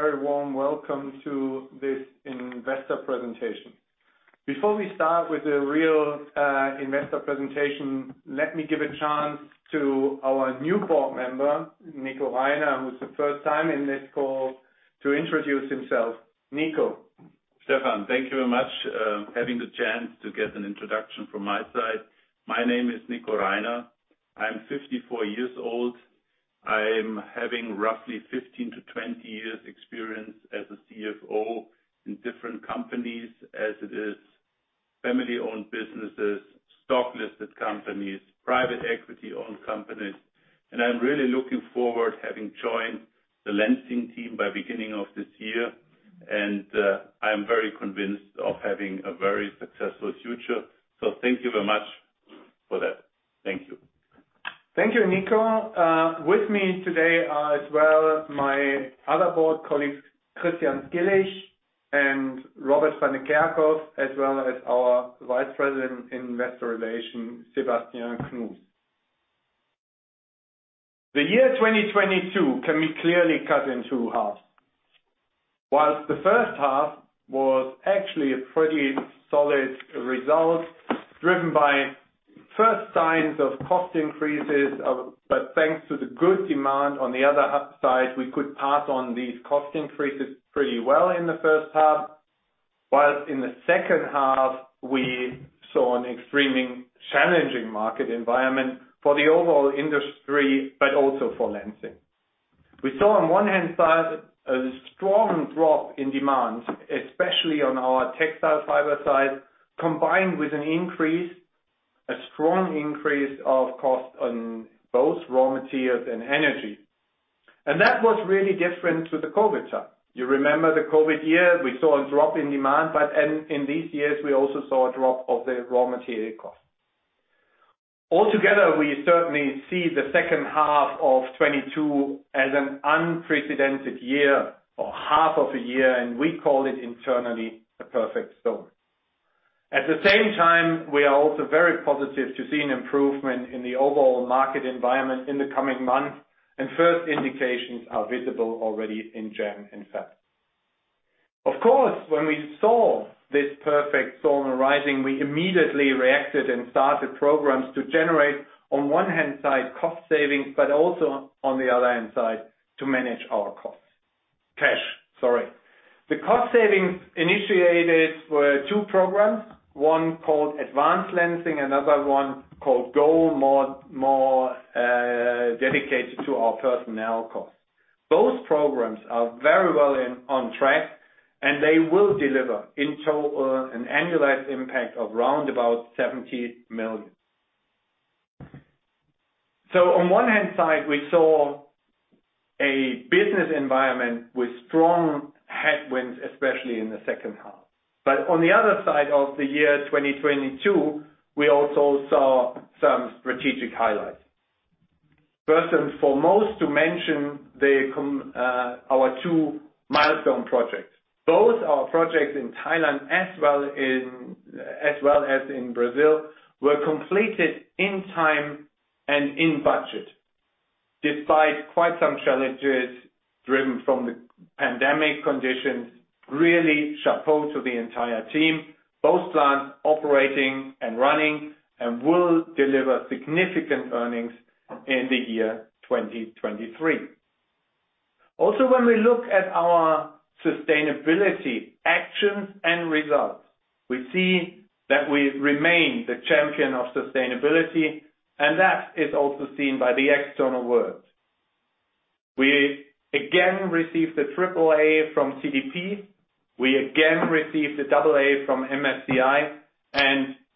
Very warm welcome to this investor presentation. Before we start with the real investor presentation, let me give a chance to our new board member, Nico Reiner, who's the first time in this call, to introduce himself. Nico. Stephan, thank you very much. Having the chance to get an introduction from my side. My name is Nico Reiner. I'm 54 years old. I am having roughly 15-20 years experience as a CFO in different companies as it is family-owned businesses, stock-listed companies, private equity-owned companies. I'm really looking forward having joined the Lenzing team by beginning of this year. I am very convinced of having a very successful future. Thank you very much for that. Thank you. Thank you, Nico Reiner. With me today are as well my other board colleagues, Christian Skilich and Robert van de Kerkhof, as well as our Vice President, Investor Relations, Sebastien Knus. The year 2022 can be clearly cut into halves. Whilst the first half was actually a pretty solid result, driven by first signs of cost increases, but thanks to the good demand on the other half side, we could pass on these cost increases pretty well in the first half. Whilst in the second half, we saw an extremely challenging market environment for the overall industry, but also for Lenzing. We saw on one hand side a strong drop in demand, especially on our textile fiber side, combined with an increase, a strong increase of cost on both raw materials and energy. That was really different to the COVID time. You remember the COVID year, we saw a drop in demand, but then in these years, we also saw a drop of the raw material cost. Altogether, we certainly see the second half of 2022 as an unprecedented year or half of a year, and we call it internally a perfect storm. At the same time, we are also very positive to see an improvement in the overall market environment in the coming months, and first indications are visible already in January and February. Of course, when we saw this perfect storm arising, we immediately reacted and started programs to generate, on one hand side, cost savings, but also on the other hand side, to manage our costs. Cash, sorry. The cost savings initiated were two programs, one called Advanced Lenzing, another one called goMore, more dedicated to our personnel costs. Those programs are very well on track. They will deliver in total an annualized impact of round about 70 million. On one hand side, we saw a business environment with strong headwinds, especially in the second half. On the other side of the year 2022, we also saw some strategic highlights. First and foremost to mention our two milestone projects. Both our projects in Thailand as well as in Brazil, were completed in time and in budget, despite quite some challenges driven from the pandemic conditions, really chapeau to the entire team. Both plants operating and running and will deliver significant earnings in the year 2023. When we look at our sustainability actions and results, we see that we remain the champion of sustainability. That is also seen by the external world. We again received the AAA from CDP. We again received the AA from MSCI,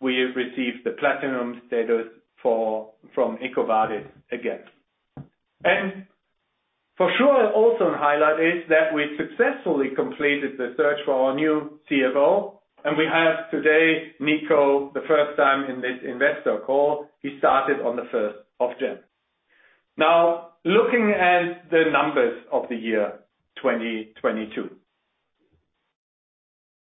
we have received the platinum status from EcoVadis again. For sure, also a highlight is that we successfully completed the search for our new CFO, we have today Nico, the first time in this investor call. He started on the 1st of January. Now, looking at the numbers of the year 2022.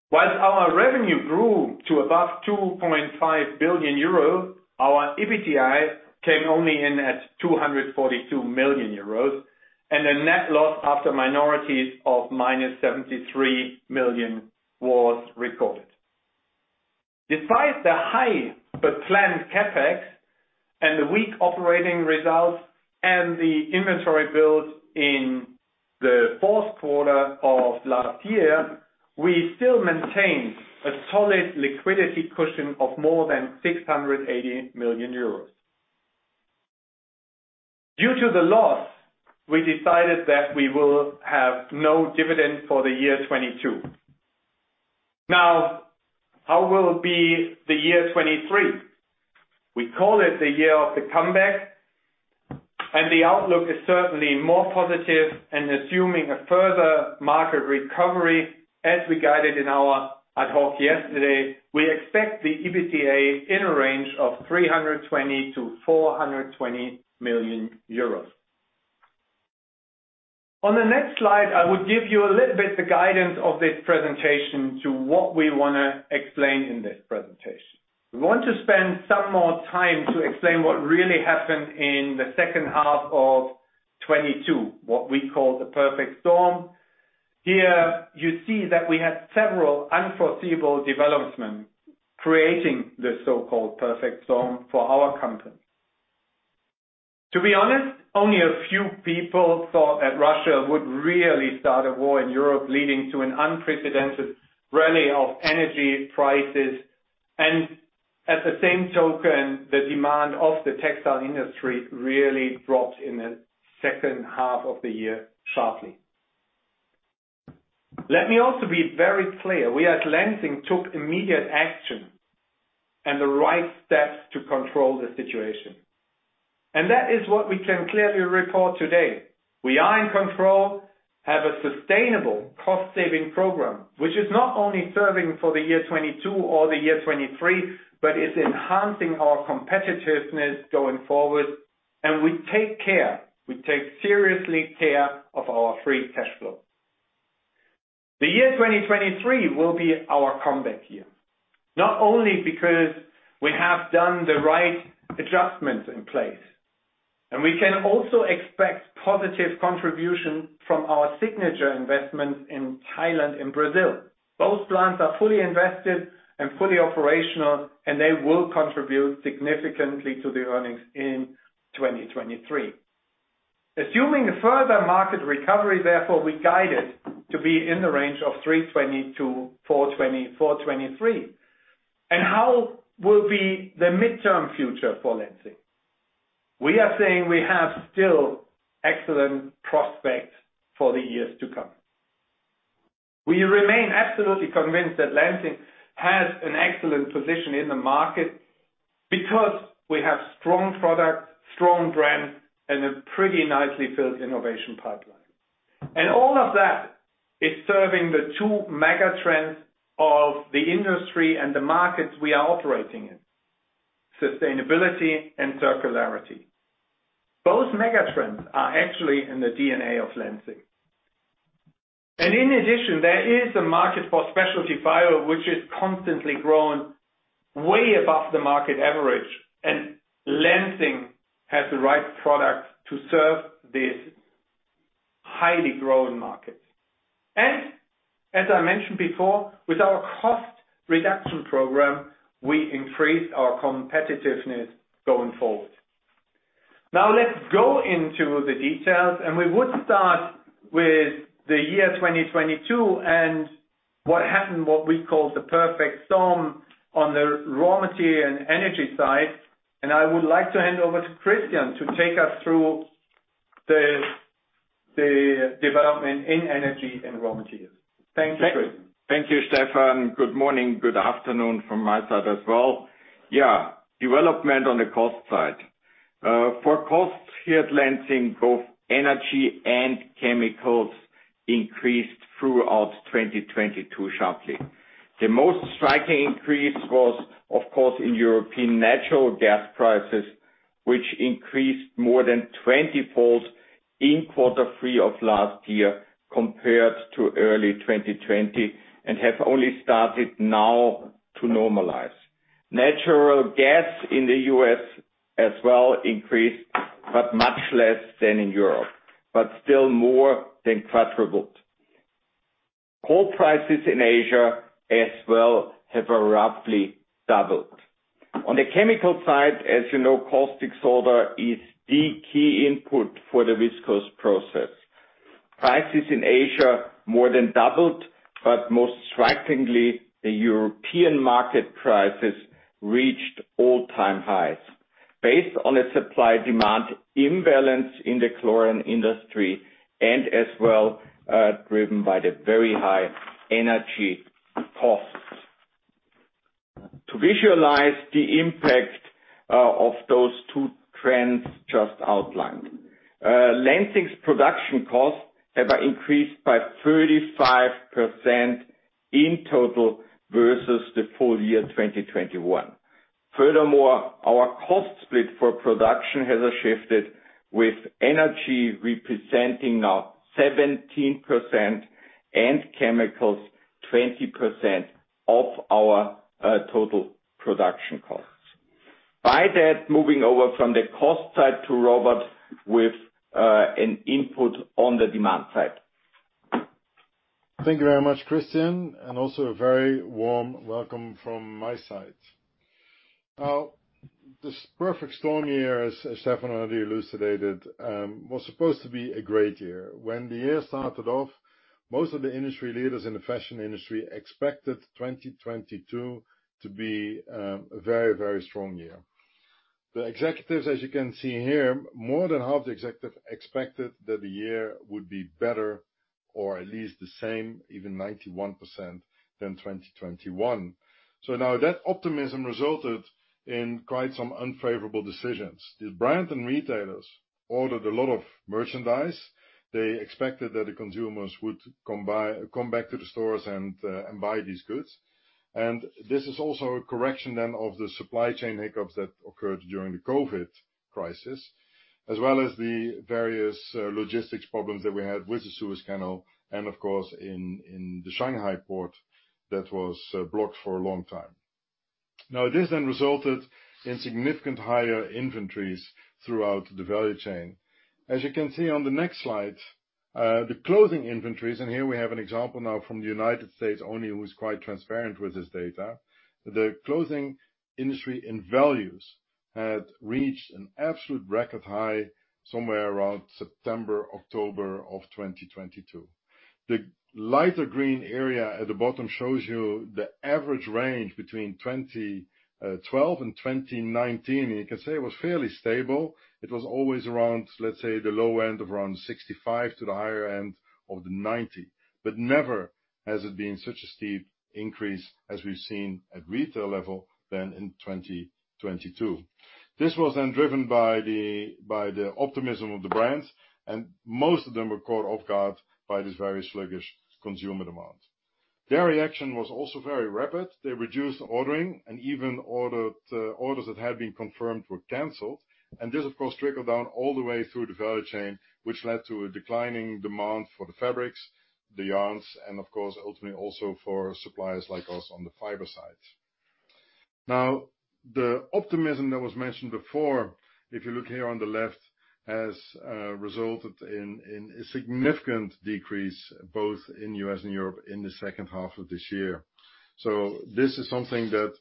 Whilst our revenue grew to above 2.5 billion euro, our EBIT came only in at 242 million euros, a net loss after minorities of -73 million was recorded. Despite the high but planned CapEx and the weak operating results and the inventory build in the Q4 of last year, we still maintain a solid liquidity cushion of more than 680 million euros. Due to the loss, we decided that we will have no dividend for the year 2022. Now, how will be the year 2023? We call it the year of the comeback, and the outlook is certainly more positive and assuming a further market recovery as we guided in our ad hoc yesterday. We expect the EBITDA in a range of 320 million-420 million euros. On the next slide, I would give you a little bit the guidance of this presentation to what we wanna explain in this presentation. We want to spend some more time to explain what really happened in the second half of 2022, what we call the perfect storm. Here, you see that we had several unforeseeable developments creating the so-called perfect storm for our company. To be honest, only a few people thought that Russia would really start a war in Europe, leading to an unprecedented rally of energy prices. At the same token, the demand of the textile industry really dropped in the second half of the year sharply. Let me also be very clear. We, at Lenzing, took immediate action and the right steps to control the situation. That is what we can clearly report today. We are in control, have a sustainable cost-saving program, which is not only serving for the year 2022 or the year 2023, but is enhancing our competitiveness going forward. We take care, we take seriously care of our free cash flow. The year 2023 will be our comeback year. Not only because we have done the right adjustments in place. We can also expect positive contribution from our signature investments in Thailand and Brazil. Both plants are fully invested and fully operational. They will contribute significantly to the earnings in 2023. Assuming a further market recovery, therefore, we guided to be in the range of 320-420 for 2023. How will be the midterm future for Lenzing? We are saying we have still excellent prospects for the years to come. We remain absolutely convinced that Lenzing has an excellent position in the market because we have strong products, strong brands, and a pretty nicely filled innovation pipeline. All of that is serving the two mega trends of the industry and the markets we are operating in, sustainability and circularity. Both mega trends are actually in the DNA of Lenzing. In addition, there is a market for specialty bio, which is constantly growing way above the market average, and Lenzing has the right product to serve this highly growing market. As I mentioned before, with our cost reduction program, we increase our competitiveness going forward. Let's go into the details, and we would start with the year 2022 and what happened, what we call the perfect storm on the raw material and energy side. I would like to hand over to Christian to take us through the development in energy and raw materials. Thank you, Christian. Thank you, Stephan. Good morning, good afternoon from my side as well. Yeah, development on the cost side. For costs here at Lenzing, both energy and chemicals increased throughout 2022 sharply. The most striking increase was, of course, in European natural gas prices, which increased more than twentyfold in quarter three of last year compared to early 2020, and have only started now to normalize. Natural gas in the U.S. as well increased, but much less than in Europe, but still more than quadrupled. Coal prices in Asia as well have roughly doubled. On the chemical side, as you know, caustic soda is the key input for the viscose process. Prices in Asia more than doubled, but most strikingly, the European market prices reached all-time highs based on a supply-demand imbalance in the chlorine industry and as well, driven by the very high energy costs. To visualize the impact of those two trends just outlined, Lenzing's production costs have increased by 35% in total versus the full year 2021. Furthermore, our cost split for production has shifted with energy representing now 17% and chemicals, 20% of our total production costs. By that, moving over from the cost side to Robert with an input on the demand side. Thank you very much, Christian, and also a very warm welcome from my side. This perfect storm year, as Stephan already elucidated, was supposed to be a great year. When the year started off, most of the industry leaders in the fashion industry expected 2022 to be a very, very strong year. The executives, as you can see here, more than half the executive expected that the year would be better or at least the same, even 91% than 2021. Now that optimism resulted in quite some unfavorable decisions. The brand and retailers ordered a lot of merchandise. They expected that the consumers would come back to the stores and buy these goods. This is also a correction then of the supply chain hiccups that occurred during the COVID crisis, as well as the various logistics problems that we had with the Suez Canal and of course, in the Shanghai Port that was blocked for a long time. This then resulted in significant higher inventories throughout the value chain. As you can see on the next slide, the clothing inventories, and here we have an example now from the United States, who is quite transparent with this data. The clothing industry in values had reached an absolute record high somewhere around September, October of 2022. The lighter green area at the bottom shows you the average range between 2012 and 2019. You can say it was fairly stable. It was always around, let's say, the low end of around 65 to the higher end of 90. Never has it been such a steep increase as we've seen at retail level than in 2022. This was then driven by the optimism of the brands, and most of them were caught off guard by this very sluggish consumer demand. Their reaction was also very rapid. They reduced ordering, and even orders that had been confirmed were canceled. This, of course, trickled down all the way through the value chain, which led to a declining demand for the fabrics, the yarns, and of course, ultimately also for suppliers like us on the fiber side. The optimism that was mentioned before, if you look here on the left, has resulted in a significant decrease both in US and Europe in the second half of this year. This is something that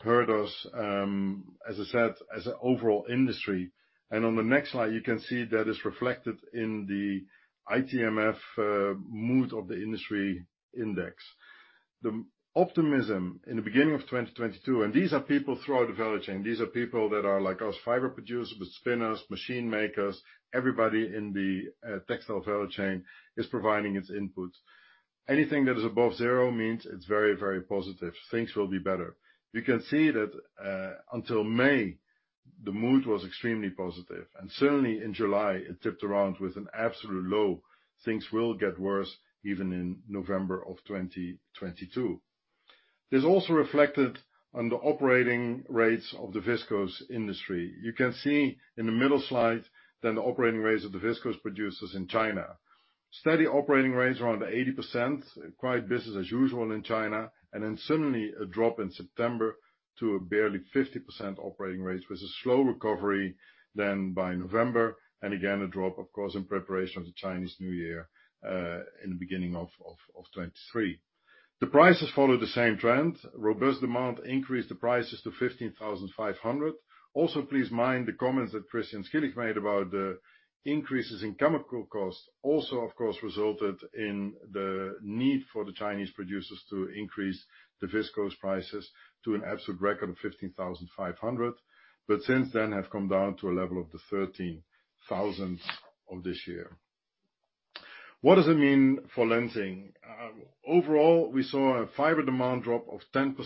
hurt us, as I said, as an overall industry. On the next slide, you can see that is reflected in the ITMF mood of the industry index. The optimism in the beginning of 2022, and these are people throughout the value chain. These are people that are like us, fiber producers, spinners, machine makers. Everybody in the textile value chain is providing its input. Anything that is above zero means it's very, very positive. Things will be better. You can see that, until May, the mood was extremely positive, and certainly in July, it tipped around with an absolute low. Things will get worse even in November of 2022. This also reflected on the operating rates of the viscose industry. You can see in the middle slide that the operating rates of the viscose producers in China. Steady operating rates around 80%, quite business as usual in China, and then suddenly a drop in September to a barely 50% operating rate, with a slow recovery then by November, and again, a drop, of course, in preparation of the Chinese New Year, in the beginning of 2023. The prices followed the same trend. Robust demand increased the prices to 15,500. Please mind the comments that Christian Skilich made about the increases in chemical costs also, of course, resulted in the need for the Chinese producers to increase the viscose prices to an absolute record of 15,500, but since then have come down to a level of 13,000 of this year. What does it mean for Lenzing? Overall, we saw a fiber demand drop of 10%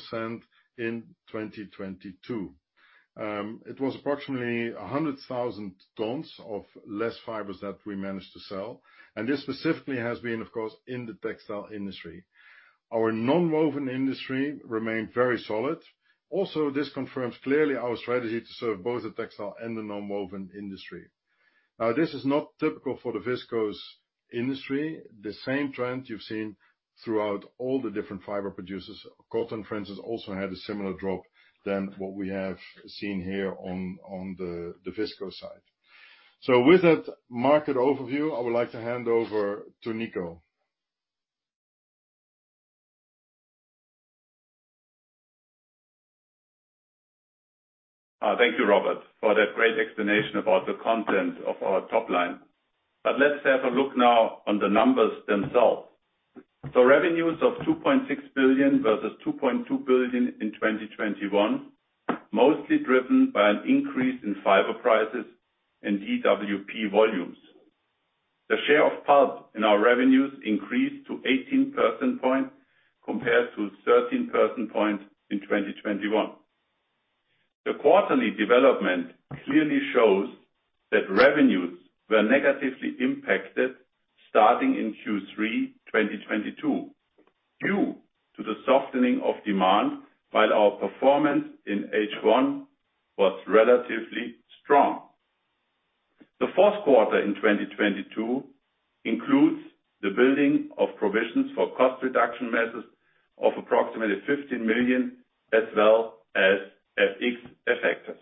in 2022. It was approximately 100,000 tons of less fibers that we managed to sell, and this specifically has been of course, in the textile industry. Our nonwoven industry remained very solid. This confirms clearly our strategy to serve both the textile and the nonwoven industry. This is not typical for the viscose industry. The same trend you've seen throughout all the different fiber producers. Cotton, for instance, also had a similar drop than what we have seen here on the viscose side. With that market overview, I would like to hand over to Nico. Thank you, Robert, for that great explanation about the content of our top line. Let's have a look now on the numbers themselves. Revenues of 2.6 billion versus 2.2 billion in 2021, mostly driven by an increase in fiber prices and DWP volumes. The share of pulp in our revenues increased to 18 percentage point compared to 13 percentage point in 2021. The quarterly development clearly shows that revenues were negatively impacted starting in Q3 2022 due to the softening of demand, while our performance in H1 was relatively strong. The Q4 in 2022 includes the building of provisions for cost reduction measures of approximately 15 million, as well as FX effectors.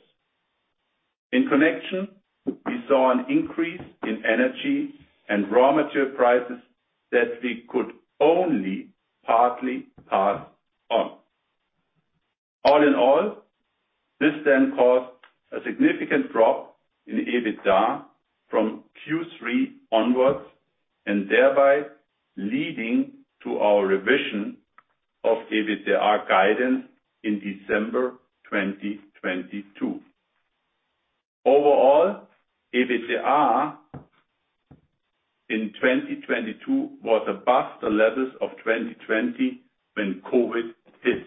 In connection, we saw an increase in energy and raw material prices that we could only partly pass on. All in all, this then caused a significant drop in EBITDA from Q3 onwards and thereby leading to our revision of EBITDA guidance in December 2022. Overall, EBITDA in 2022 was above the levels of 2020 when COVID hit.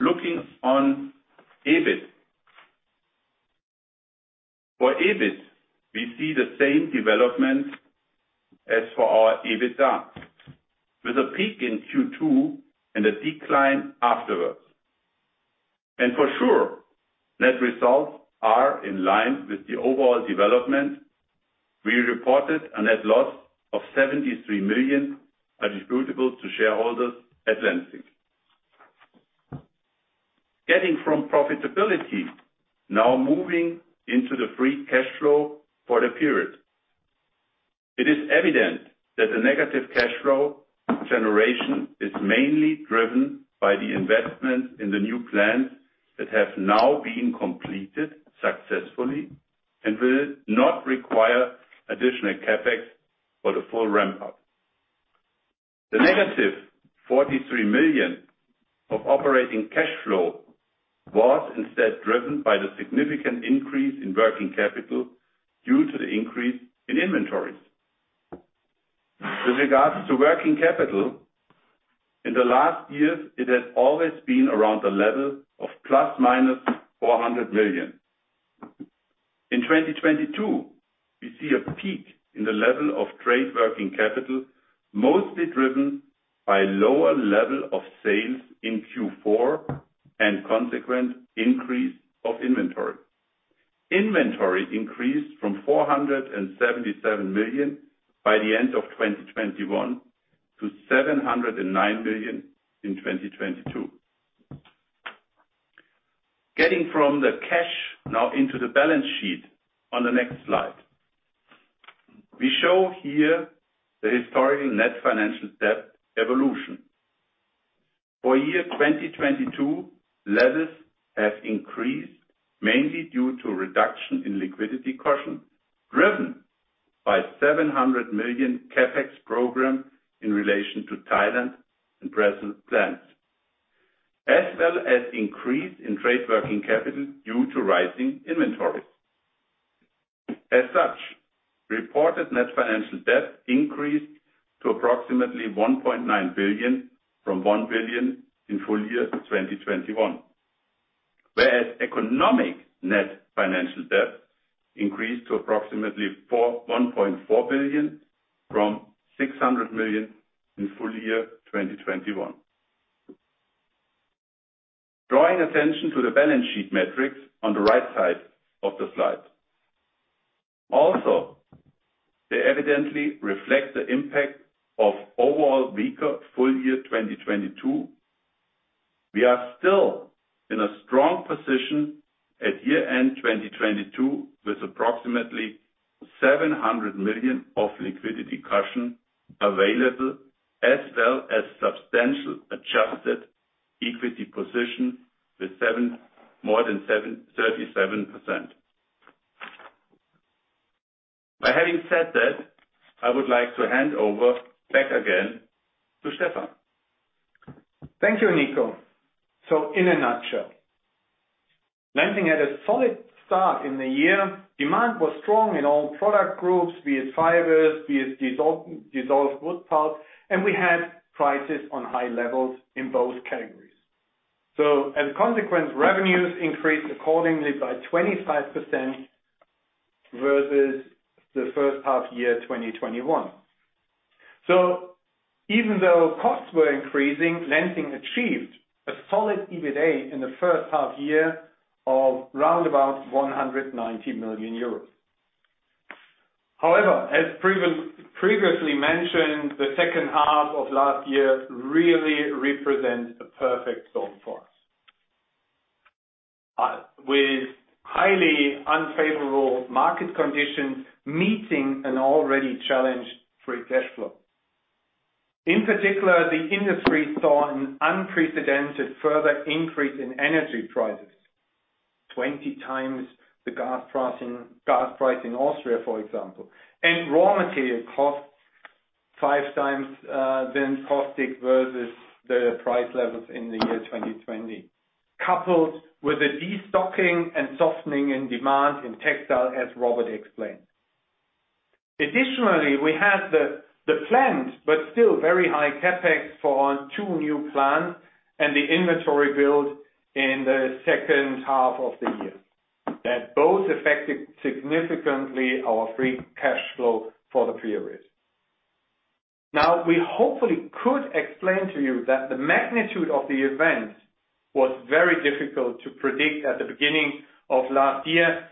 Looking on EBIT. For EBIT, we see the same development as for our EBITDA, with a peak in Q2 and a decline afterward. For sure, net results are in line with the overall development. We reported a net loss of 73 million attributable to shareholders at Lenzing. Getting from profitability now moving into the free cash flow for the period. It is evident that the negative cash flow generation is mainly driven by the investment in the new plant that has now been completed successfully and will not require additional CapEx for the full ramp-up. The -43 million of operating cash flow was instead driven by the significant increase in working capital due to the increase in inventories. With regards to working capital, in the last years, it has always been around the level of ±400 million. In 2022, we see a peak in the level of trade working capital, mostly driven by lower level of sales in Q4 and consequent increase of inventory. Inventory increased from 477 million by the end of 2021 to 709 million in 2022. Getting from the cash now into the balance sheet on the next slide. We show here the historical net financial debt evolution. For year 2022, lenders have increased mainly due to reduction in liquidity caution, driven by 700 million CapEx program in relation to Thailand and Brazil plants, as well as increase in trade working capital due to rising inventories. As such, reported net financial debt increased to approximately 1.9 billion from 1 billion in full year 2021. Whereas economic net financial debt increased to approximately 1.4 billion from 600 million in full year 2021. Drawing attention to the balance sheet metrics on the right side of the slide. Also, they evidently reflect the impact of overall weaker full year 2022. We are still in a strong position at year-end 2022, with approximately 700 million of liquidity caution available, as well as substantial adjusted equity position with more than 37%.By having said that, I would like to hand over back again to Stephan. Thank you, Nico. In a nutshell, Lenzing had a solid start in the year. Demand was strong in all product groups, be it fibers, be it dissolving wood pulp, and we had prices on high levels in both categories. As a consequence, revenues increased accordingly by 25% versus the first half year 2021. Even though costs were increasing, Lenzing achieved a solid EBITA in the first half year of round about 190 million euros. However, as previously mentioned, the second half of last year really represents a perfect storm for us. With highly unfavorable market conditions meeting an already challenged free cash flow. In particular, the industry saw an unprecedented further increase in energy prices, 20 times the gas price in Austria, for example. Raw material costs five times than caustic versus the price levels in the year 2020, coupled with a destocking and softening in demand in textile, as Robert explained. Additionally, we had the planned, but still very high CapEx for two new plants and the inventory build in the second half of the year that both affected significantly our free cash flow for the period. We hopefully could explain to you that the magnitude of the events was very difficult to predict at the beginning of last year.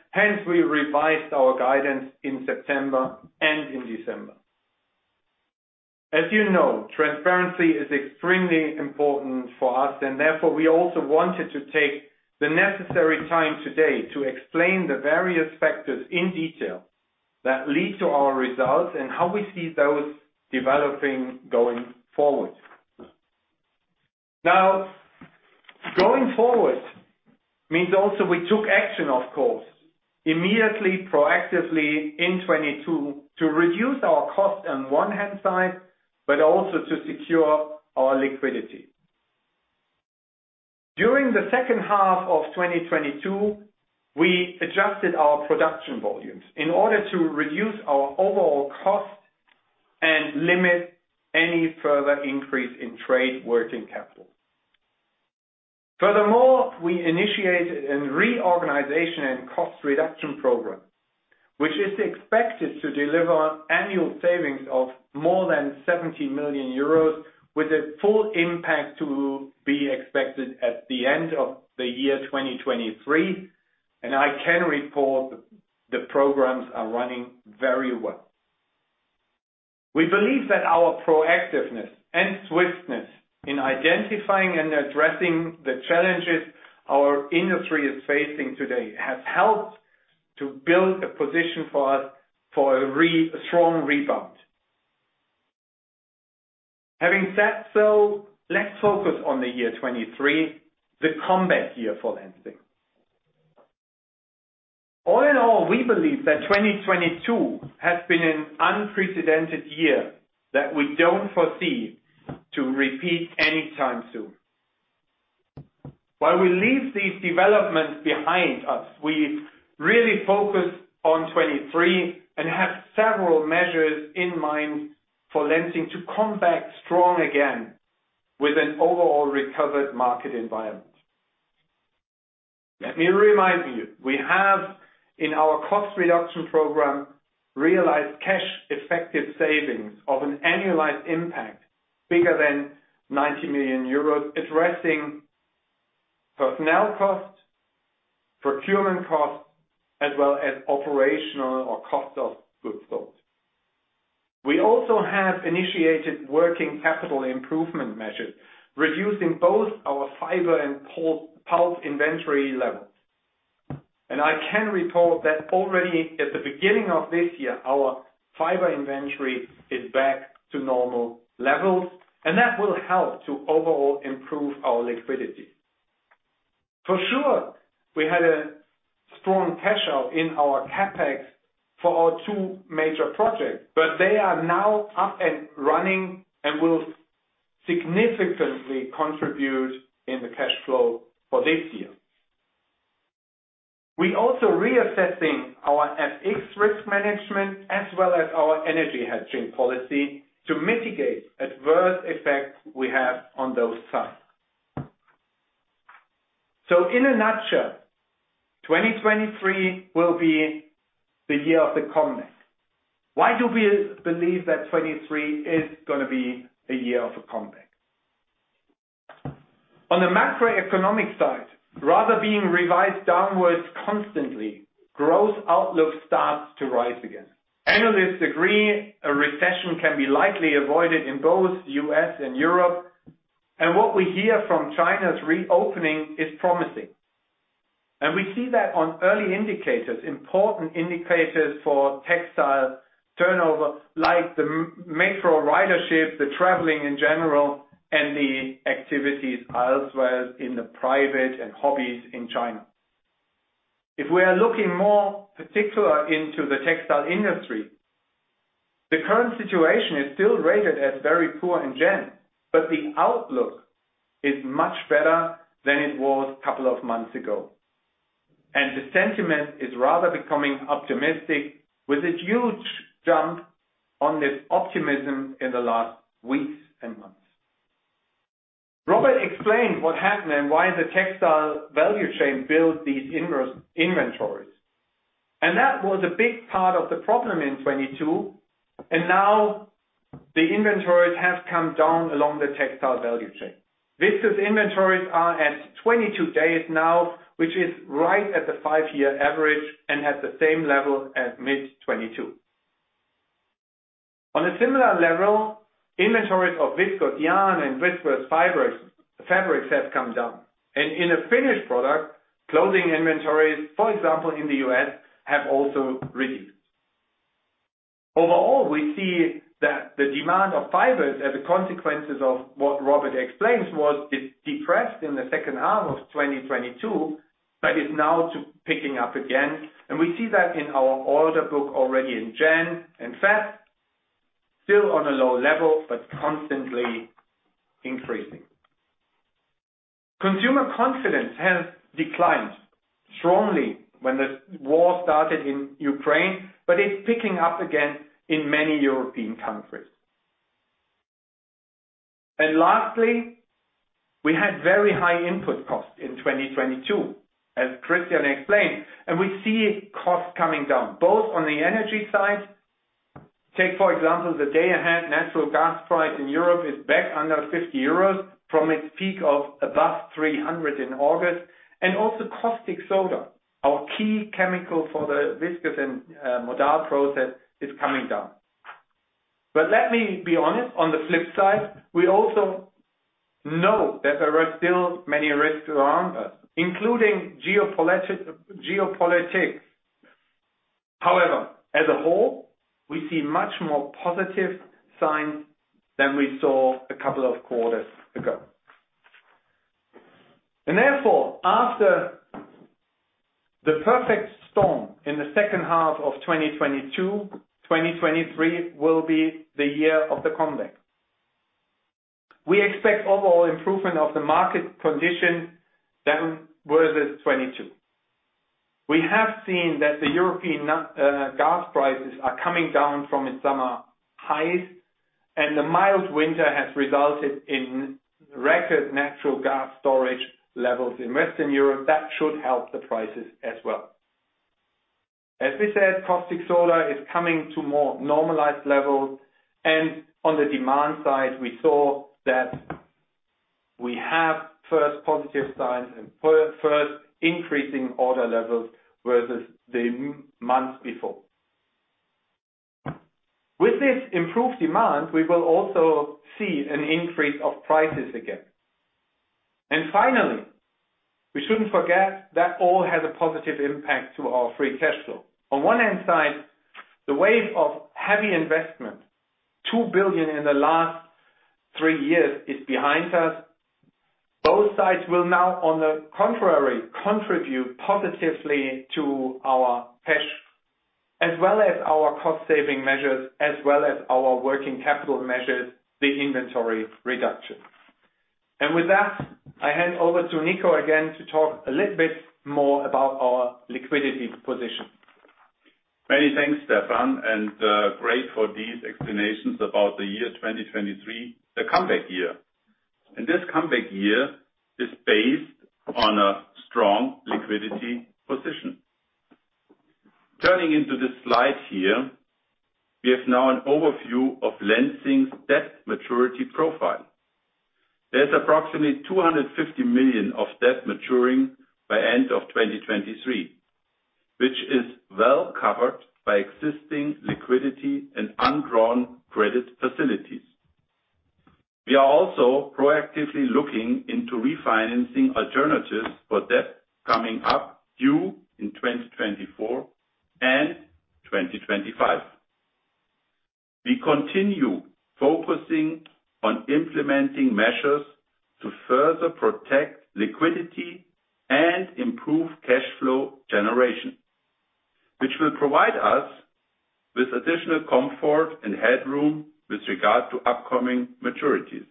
We revised our guidance in September and in December. You know, transparency is extremely important for us, and therefore, we also wanted to take the necessary time today to explain the various factors in detail that lead to our results and how we see those developing going forward. Going forward means also we took action, of course, immediately, proactively in 2022 to reduce our cost on one hand side, but also to secure our liquidity. During the second half of 2022, we adjusted our production volumes in order to reduce our overall cost and limit any further increase in trade working capital. Furthermore, we initiated a reorganization and cost reduction program. Which is expected to deliver annual savings of more than 70 million euros with a full impact to be expected at the end of the year 2023. I can report the programs are running very well. We believe that our proactiveness and swiftness in identifying and addressing the challenges our industry is facing today, has helped to build a position for us for a strong rebound. Having said so, let's focus on the year 2023, the comeback year for Lenzing. All in all, we believe that 2022 has been an unprecedented year that we don't foresee to repeat any time soon. While we leave these developments behind us, we really focus on 2023 and have several measures in mind for Lenzing to come back strong again with an overall recovered market environment. Let me remind you, we have in our cost reduction program, realized cash effective savings of an annualized impact bigger than 90 million euros, addressing personnel costs, procurement costs, as well as operational or cost of goods sold. We also have initiated working capital improvement measures, reducing both our fiber and pulp inventory levels. I can report that already at the beginning of this year, our fiber inventory is back to normal levels, and that will help to overall improve our liquidity. For sure, we had a strong cash out in our CapEx for our two major projects, but they are now up and running and will significantly contribute in the cash flow for this year. We also reassessing our FX risk management as well as our energy hedging policy to mitigate adverse effects we have on those sides. In a nutshell, 2023 will be the year of the comeback. Why do we believe that 23 is gonna be a year of a comeback? On the macroeconomic side, rather being revised downwards constantly, growth outlook starts to rise again. Analysts agree a recession can be likely avoided in both U.S. and Europe, and what we hear from China's reopening is promising. We see that on early indicators, important indicators for textile turnover, like the metro ridership, the traveling in general, and the activities elsewhere in the private and hobbies in China. If we are looking more particular into the textile industry, the current situation is still rated as very poor in January, but the outlook is much better than it was couple of months ago. The sentiment is rather becoming optimistic with a huge jump on this optimism in the last weeks and months. Robert explained what happened and why the textile value chain built these inventories. That was a big part of the problem in 2022, Now the inventories have come down along the textile value chain. Viscose inventories are at 22 days now, which is right at the 5-year average and at the same level as mid-2022. On a similar level, inventories of viscose yarn and viscose fabrics has come down. In a finished product, clothing inventories, for example, in the U.S., have also reduced. Overall, we see that the demand of fibers as a consequences of what Robert explained is depressed in the second half of 2022, but is now picking up again. We see that in our order book already in January and February, still on a low level, but constantly increasing. Consumer confidence has declined strongly when the war started in Ukraine, but it's picking up again in many European countries. Lastly, we had very high input costs in 2022, as Christian explained, and we see costs coming down, both on the energy side. Take for example, the day ahead natural gas price in Europe is back under 50 euros from its peak of above 300 in August. Also caustic soda, our key chemical for the viscose and modal process is coming down. Let me be honest, on the flip side, we also know that there are still many risks around us, including geopolitics. However, as a whole, we see much more positive signs than we saw a couple of quarters ago. Therefore, after the perfect storm in the second half of 2022, 2023 will be the year of the comeback. We expect overall improvement of the market condition than versus 2022. We have seen that the European gas prices are coming down from its summer highs. And the mild winter has resulted in record natural gas storage levels in Western Europe. That should help the prices as well. As we said, caustic soda is coming to more normalized levels, and on the demand side, we saw that we have first positive signs and first increasing order levels versus the month before. With this improved demand, we will also see an increase of prices again. Finally, we shouldn't forget that all has a positive impact to our free cash flow. On one hand side, the wave of heavy investment, 2 billion in the last three years, is behind us. Both sides will now, on the contrary, contribute positively to our cash, as well as our cost saving measures, as well as our working capital measures, the inventory reduction. With that, I hand over to Nico again to talk a little bit more about our liquidity position. Many thanks, Stephan, and great for these explanations about the year 2023, the comeback year. This comeback year is based on a strong liquidity position. Turning into this slide here, we have now an overview of Lenzing's debt maturity profile. There's approximately 250 million of debt maturing by end of 2023, which is well-covered by existing liquidity and undrawn credit facilities. We are also proactively looking into refinancing alternatives for debt coming up due in 2024 and 2025. We continue focusing on implementing measures to further protect liquidity and improve cash flow generation, which will provide us with additional comfort and headroom with regard to upcoming maturities.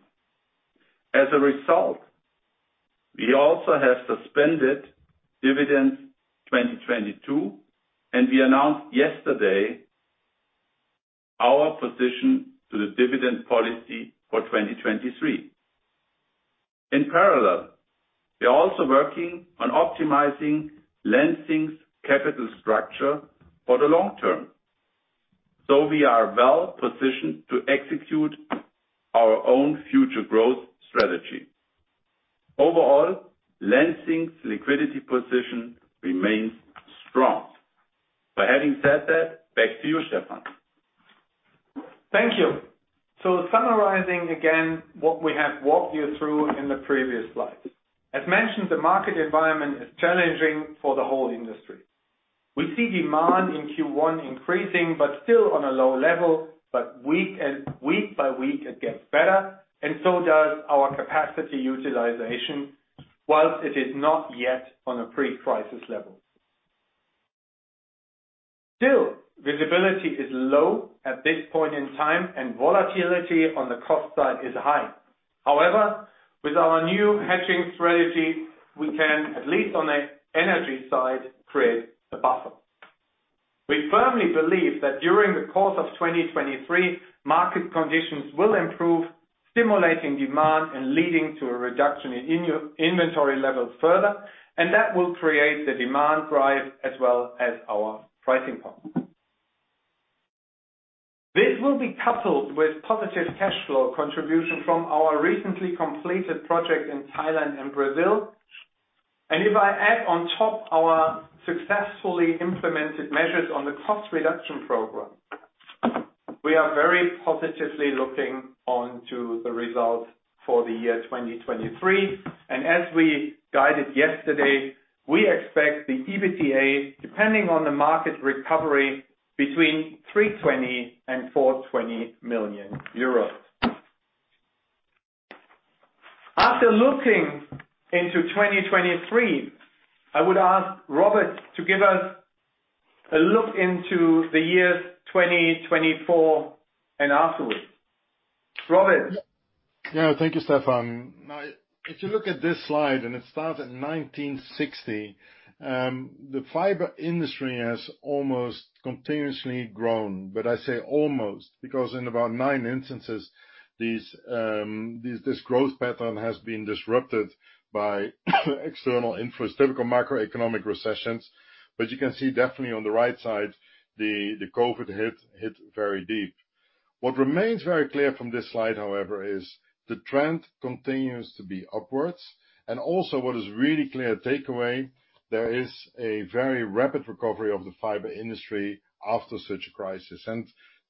As a result, we also have suspended dividends 2022, and we announced yesterday our position to the dividend policy for 2023. In parallel, we are also working on optimizing Lenzing's capital structure for the long term, so we are well-positioned to execute our own future growth strategy. Overall, Lenzing's liquidity position remains strong. Having said that, back to you, Stephan. Thank you. Summarizing again what we have walked you through in the previous slides. As mentioned, the market environment is challenging for the whole industry. We see demand in Q1 increasing but still on a low level, but week by week it gets better and so does our capacity utilization, whilst it is not yet on a pre-crisis level. Still, visibility is low at this point in time, and volatility on the cost side is high. With our new hedging strategy, we can, at least on the energy side, create a buffer. We firmly believe that during the course of 2023, market conditions will improve, stimulating demand and leading to a reduction in inventory levels further, and that will create the demand drive as well as our pricing power. This will be coupled with positive cash flow contribution from our recently completed project in Thailand and Brazil. If I add on top our successfully implemented measures on the cost reduction program, we are very positively looking onto the results for the year 2023. As we guided yesterday, we expect the EBITDA, depending on the market recovery, between 320 million and 420 million euros. After looking into 2023, I would ask Robert to give us a look into the years 2024 and afterward. Robert? Yeah. Thank you, Stephan. If you look at this slide, and it starts in 1960, the fiber industry has almost continuously grown. I say almost because in about nine instances, this growth pattern has been disrupted by external typical macroeconomic recessions. You can see definitely on the right side, the COVID hit very deep. What remains very clear from this slide, however, is the trend continues to be upwards and also what is really clear takeaway, there is a very rapid recovery of the fiber industry after such a crisis.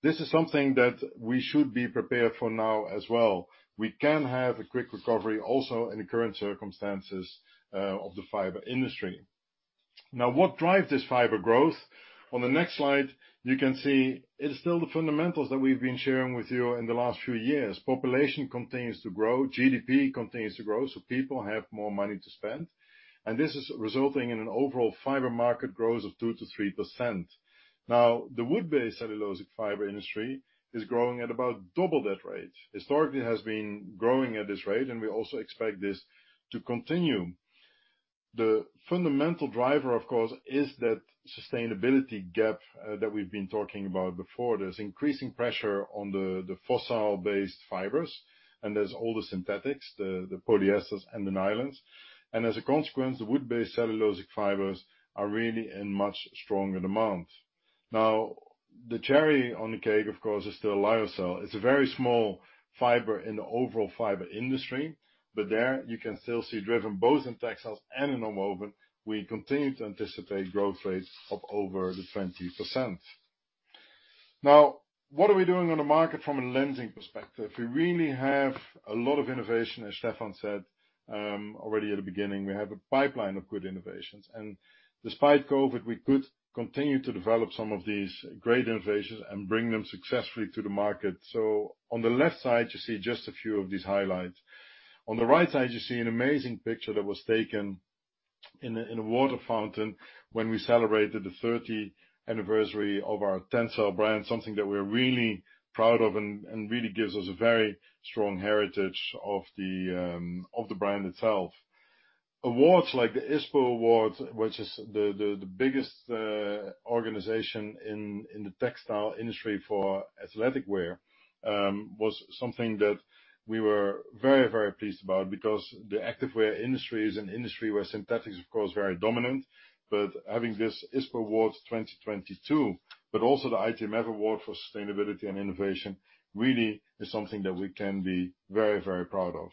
This is something that we should be prepared for now as well. We can have a quick recovery also in the current circumstances of the fiber industry. What drives this fiber growth? On the next slide, you can see it is still the fundamentals that we've been sharing with you in the last few years. Population continues to grow, GDP continues to grow, so people have more money to spend. This is resulting in an overall fiber market growth of 2%-3%. The wood-based cellulosic fiber industry is growing at about double that rate. Historically, it has been growing at this rate, and we also expect this to continue. The fundamental driver, of course, is that sustainability gap that we've been talking about before. There's increasing pressure on the fossil-based fibers, and there's all the synthetics, the polyesters and the nylons. As a consequence, the wood-based cellulosic fibers are really in much stronger demand. The cherry on the cake, of course, is still lyocell. It's a very small fiber in the overall fiber industry, but there you can still see driven both in textiles and in woven, we continue to anticipate growth rates of over the 20%. What are we doing on the market from a Lenzing perspective? We really have a lot of innovation, as Stephan said, already at the beginning. We have a pipeline of good innovations. Despite COVID, we could continue to develop some of these great innovations and bring them successfully to the market. On the left side, you see just a few of these highlights. On the right side, you see an amazing picture that was taken in a water fountain when we celebrated the 30 anniversary of our TENCEL brand, something that we're really proud of and really gives us a very strong heritage of the brand itself. Awards like the ISPO award, which is the biggest organization in the textile industry for athletic wear was something that we were very pleased about because the active wear industry is an industry where synthetic is, of course, very dominant. Having this ISPO award 2022, but also the ITMF award for sustainability and innovation, really is something that we can be very proud of.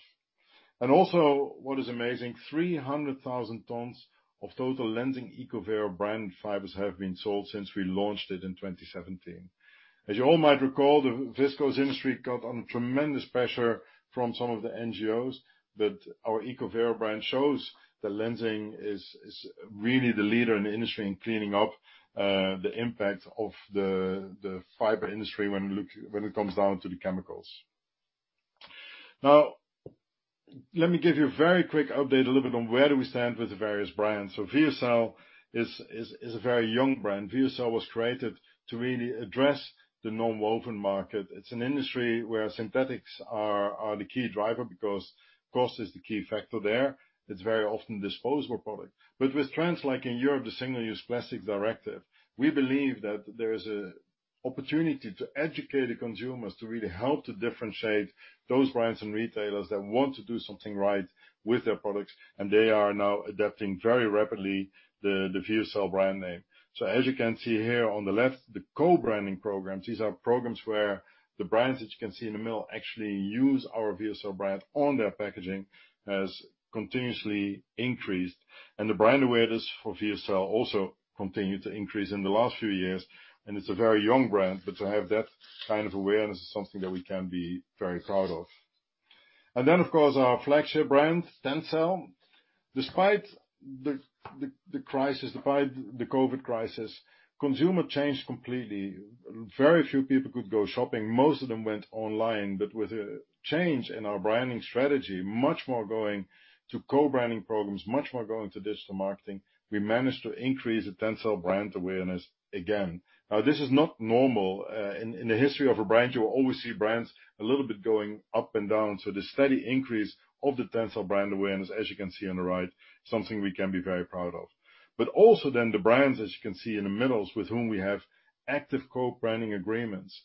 Also, what is amazing, 300,000 tons of total Lenzing ECOVERO brand fibers have been sold since we launched it in 2017. As you all might recall, the viscose industry got under tremendous pressure from some of the NGOs, but our ECOVERO brand shows that Lenzing is really the leader in the industry in cleaning up the impact of the fiber industry when it comes down to the chemicals. Let me give you a very quick update, a little bit on where do we stand with the various brands. VEOCEL is a very young brand. VEOCEL was created to really address the nonwoven market. It's an industry where synthetics are the key driver because cost is the key factor there. It's very often a disposable product. With trends like in Europe, the Single-Use Plastics Directive, we believe that there is a opportunity to educate the consumers to really help to differentiate those brands and retailers that want to do something right with their products, and they are now adapting very rapidly the VEOCEL brand name. As you can see here on the left, the co-branding programs. These are programs where the brands that you can see in the middle actually use our VEOCEL brand on their packaging, has continuously increased. The brand awareness for VEOCEL also continued to increase in the last few years. It's a very young brand, but to have that kind of awareness is something that we can be very proud of. Of course, our flagship brand, TENCEL. Despite the crisis, despite the COVID crisis, consumer changed completely. Very few people could go shopping. Most of them went online. With a change in our branding strategy, much more going to co-branding programs, much more going to digital marketing, we managed to increase the TENCEL brand awareness again. Now, this is not normal. In the history of a brand, you will always see brands a little bit going up and down. The steady increase of the TENCEL brand awareness, as you can see on the right, something we can be very proud of. Also then the brands, as you can see in the middles, with whom we have active co-branding agreements,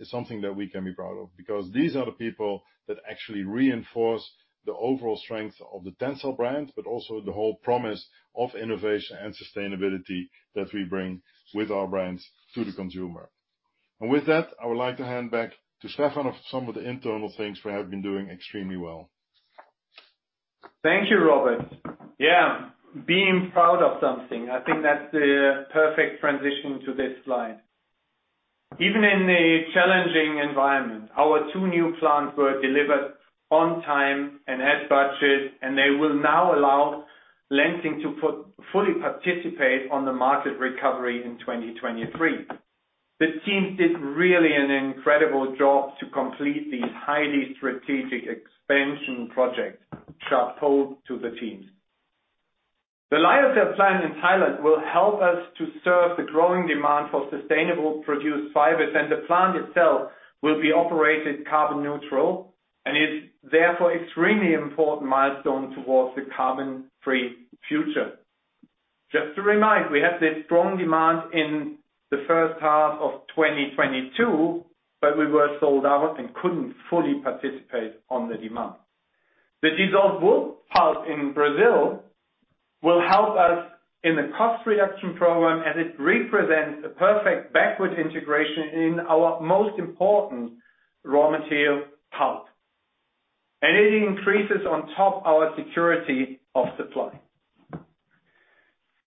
is something that we can be proud of because these are the people that actually reinforce the overall strength of the TENCEL brand, but also the whole promise of innovation and sustainability that we bring with our brands to the consumer. With that, I would like to hand back to Stephan of some of the internal things we have been doing extremely well. Thank you, Robert. Being proud of something, I think that's the perfect transition to this slide. Even in a challenging environment, our two new plants were delivered on time and at budget. They will now allow Lenzing to fully participate on the market recovery in 2023. The teams did really an incredible job to complete these highly strategic expansion projects. Shout out to the teams. The lyocell plant in Thailand will help us to serve the growing demand for sustainable produced fibers, and the plant itself will be operated carbon neutral and is therefore extremely important milestone towards the carbon-free future. Just to remind, we had this strong demand in the first half of 2022. We were sold out and couldn't fully participate on the demand. The dissolving wood pulp in Brazil will help us in the cost reduction program as it represents a perfect backward integration in our most important raw material, pulp. It increases on top our security of supply.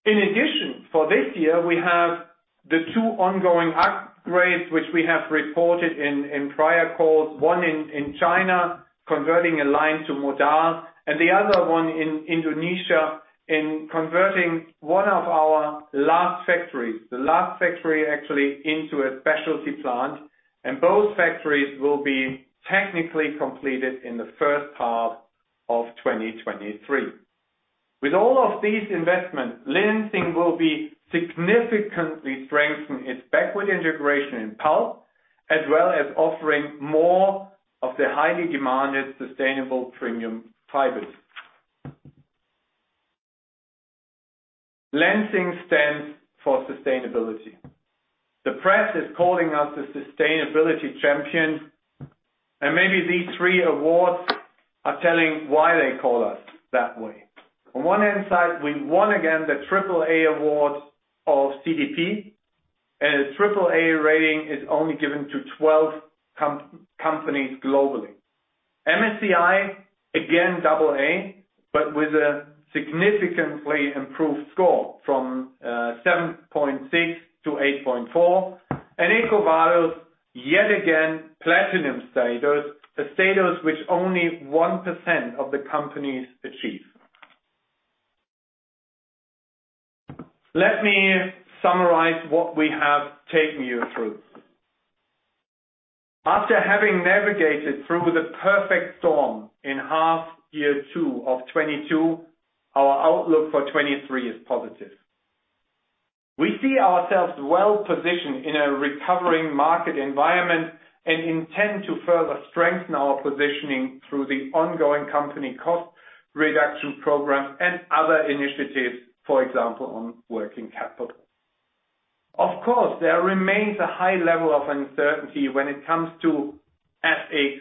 In addition, for this year, we have the two ongoing upgrades which we have reported in prior calls, one in China, converting a line to modal, and the other one in Indonesia in converting one of our last factories, the last factory actually into a specialty plant. Both factories will be technically completed in the first half of 2023. With all of these investments, Lenzing will be significantly strengthening its backward integration in pulp as well as offering more of the highly demanded sustainable premium fibers. Lenzing stands for sustainability. The press is calling us the sustainability champion, maybe these three awards are telling why they call us that way. On one hand side, we won again the triple A award of CDP, a triple A rating is only given to 12 companies globally. MSCI, again, double A, but with a significantly improved score from 7.6 to 8.4. EcoVadis, yet again, platinum status, a status which only 1% of the companies achieve. Let me summarize what we have taken you through. After having navigated through the perfect storm in half year 2 of 2022, our outlook for 2023 is positive. We see ourselves well-positioned in a recovering market environment and intend to further strengthen our positioning through the ongoing company cost reduction program and other initiatives, for example, on working capital. Of course, there remains a high level of uncertainty when it comes to FX,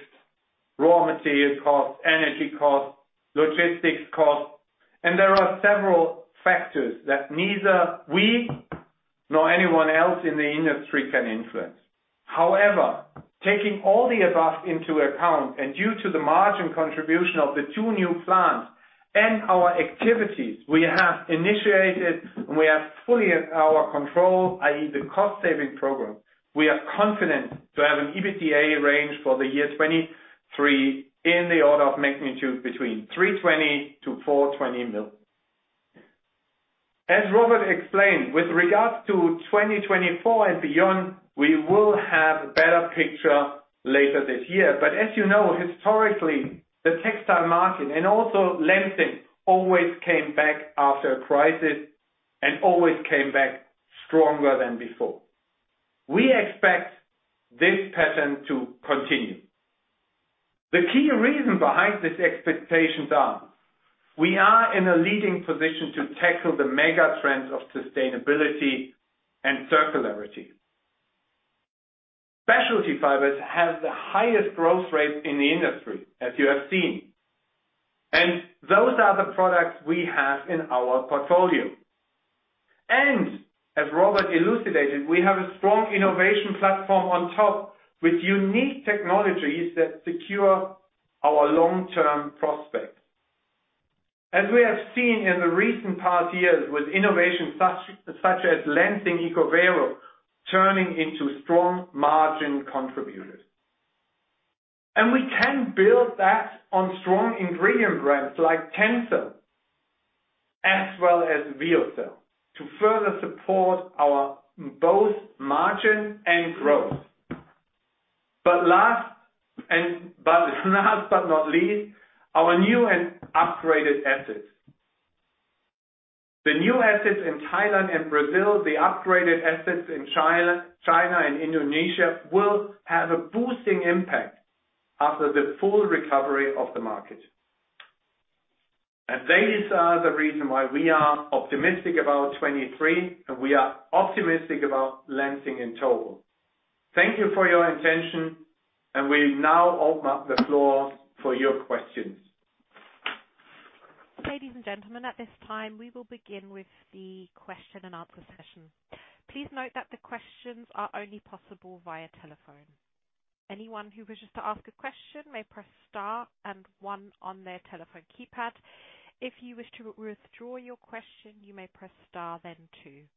raw material costs, energy costs, logistics costs, and there are several factors that neither we nor anyone else in the industry can influence. However, taking all the above into account and due to the margin contribution of the two new plants and our activities we have initiated and we have fully in our control, i.e., the cost saving program, we are confident to have an EBITDA range for the year 2023 in the order of magnitude between 320 million-420 million. As Robert explained, with regards to 2024 and beyond, we will have a better picture later this year. As you know, historically, the textile market and also Lenzing always came back after a crisis and always came back stronger than before. We expect this pattern to continue. The key reason behind these expectations are we are in a leading position to tackle the mega trends of sustainability and circularity. Specialty fibers have the highest growth rate in the industry, as you have seen, and those are the products we have in our portfolio. As Robert elucidated, we have a strong innovation platform on top with unique technologies that secure our long-term prospects. As we have seen in the recent past years with innovation such as LENZING ECOVERO turning into strong margin contributors. We can build that on strong ingredient brands like TENCEL as well as VEOCEL to further support our both margin and growth. Last but not least, our new and upgraded assets. The new assets in Thailand and Brazil, the upgraded assets in China and Indonesia, will have a boosting impact after the full recovery of the market. These are the reason why we are optimistic about 2023, and we are optimistic about Lenzing in total. Thank you for your attention, and we now open up the floor for your questions. Ladies and gentlemen, at this time, we will begin with the question and answer session. Please note that the questions are only possible via telephone. Anyone who wishes to ask a question may press star and one on their telephone keypad. If you wish to withdraw your question, you may press star then two.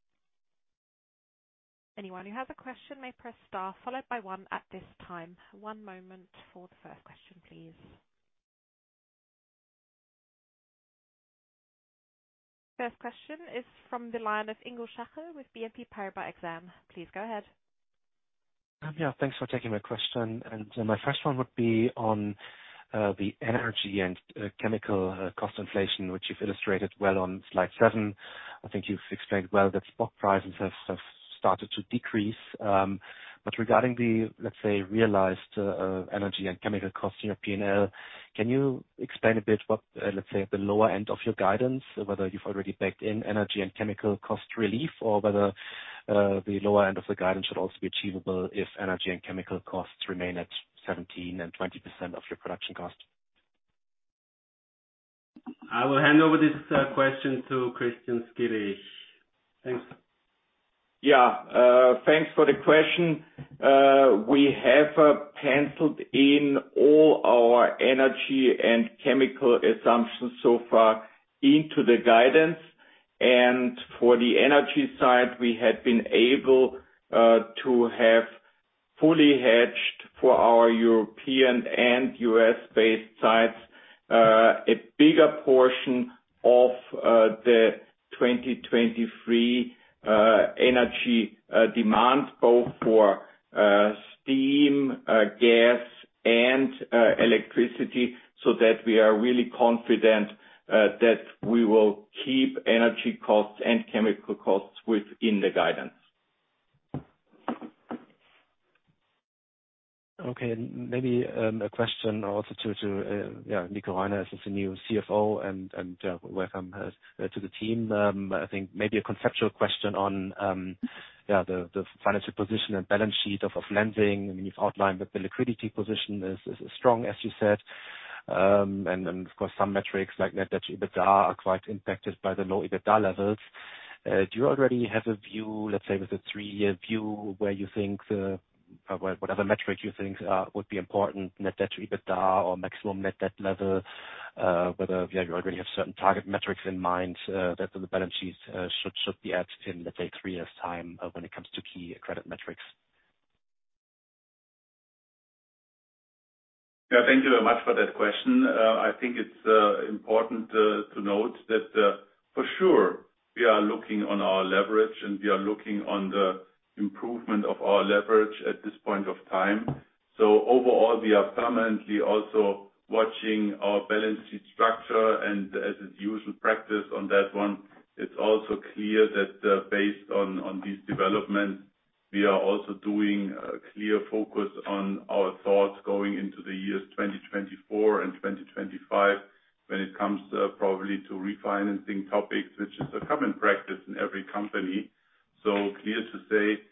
Anyone who has a question may press star followed by one at this time. One moment for the first question, please. First question is from the line of Ingo Schachel with BNP Paribas Exane. Please go ahead. Yeah, thanks for taking my question. My first one would be on the energy and chemical cost inflation, which you've illustrated well on slide 7. I think you've explained well that spot prices have started to decrease. But regarding the, let's say, realized energy and chemical costs in your P&L, can you explain a bit what, let's say at the lower end of your guidance, whether you've already backed in energy and chemical cost relief or whether the lower end of the guidance should also be achievable if energy and chemical costs remain at 17% and 20% of your production cost? I will hand over this question to Christian Skilich. Thanks. Yeah. Thanks for the question. We have penciled in all our energy and chemical assumptions so far into the guidance. For the energy side, we had been able to have fully hedged for our European and US-based sites, a bigger portion of the 2023 energy demand, both for steam, gas Electricity, so that we are really confident that we will keep energy costs and chemical costs within the guidance. Okay. Maybe a question also to Nico Reiner as the new CFO and welcome to the team. I think maybe a conceptual question on the financial position and balance sheet of Lenzing. I mean, you've outlined that the liquidity position is strong, as you said. Of course, some metrics like net debt to EBITDA are quite impacted by the low EBITDA levels. Do you already have a view, let's say with a three-year view, where you think the... Well, what other metric you think would be important, net debt to EBITDA or maximum net debt level, whether, yeah, you already have certain target metrics in mind, that the balance sheet should be at in, let's say, 3 years' time, when it comes to key credit metrics? Thank you very much for that question. I think it's important to note that for sure we are looking on our leverage and we are looking on the improvement of our leverage at this point of time. Overall, we are permanently also watching our balance sheet structure and as is usual practice on that one, it's also clear that, based on these developments, we are also doing a clear focus on our thoughts going into the years 2024 and 2025 when it comes probably to refinancing topics, which is a common practice in every company. Clear to say,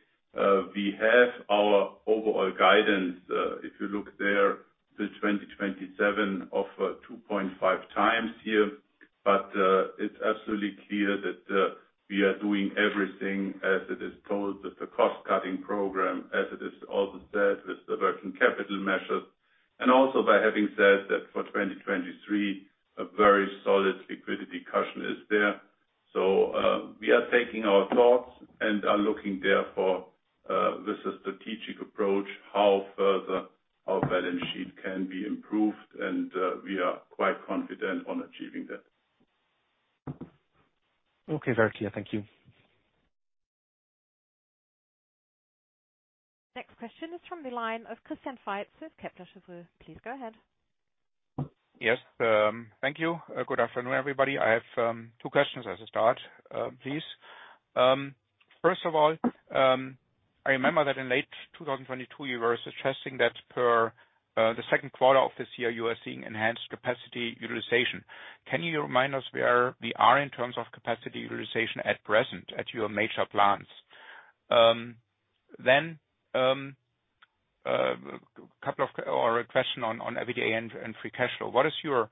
we have our overall guidance, if you look there to 2027 of 2.5x here. It's absolutely clear that we are doing everything as it is told with the cost-cutting program, as it is also said with the working capital measures, and also by having said that for 2023, a very solid liquidity cushion is there. We are taking our thoughts and are looking therefore, with a strategic approach how further our balance sheet can be improved. We are quite confident on achieving that. Okay, very clear. Thank you. Next question is from the line of Christian Faitz with Kepler Cheuvreux. Please go ahead. Yes, thank you. Good afternoon, everybody. I have two questions as a start, please. First of all, I remember that in late 2022, you were suggesting that per the Q2 of this year, you are seeing enhanced capacity utilization. Can you remind us where we are in terms of capacity utilization at present at your major plants? A question on EBITDA and free cash flow. What is your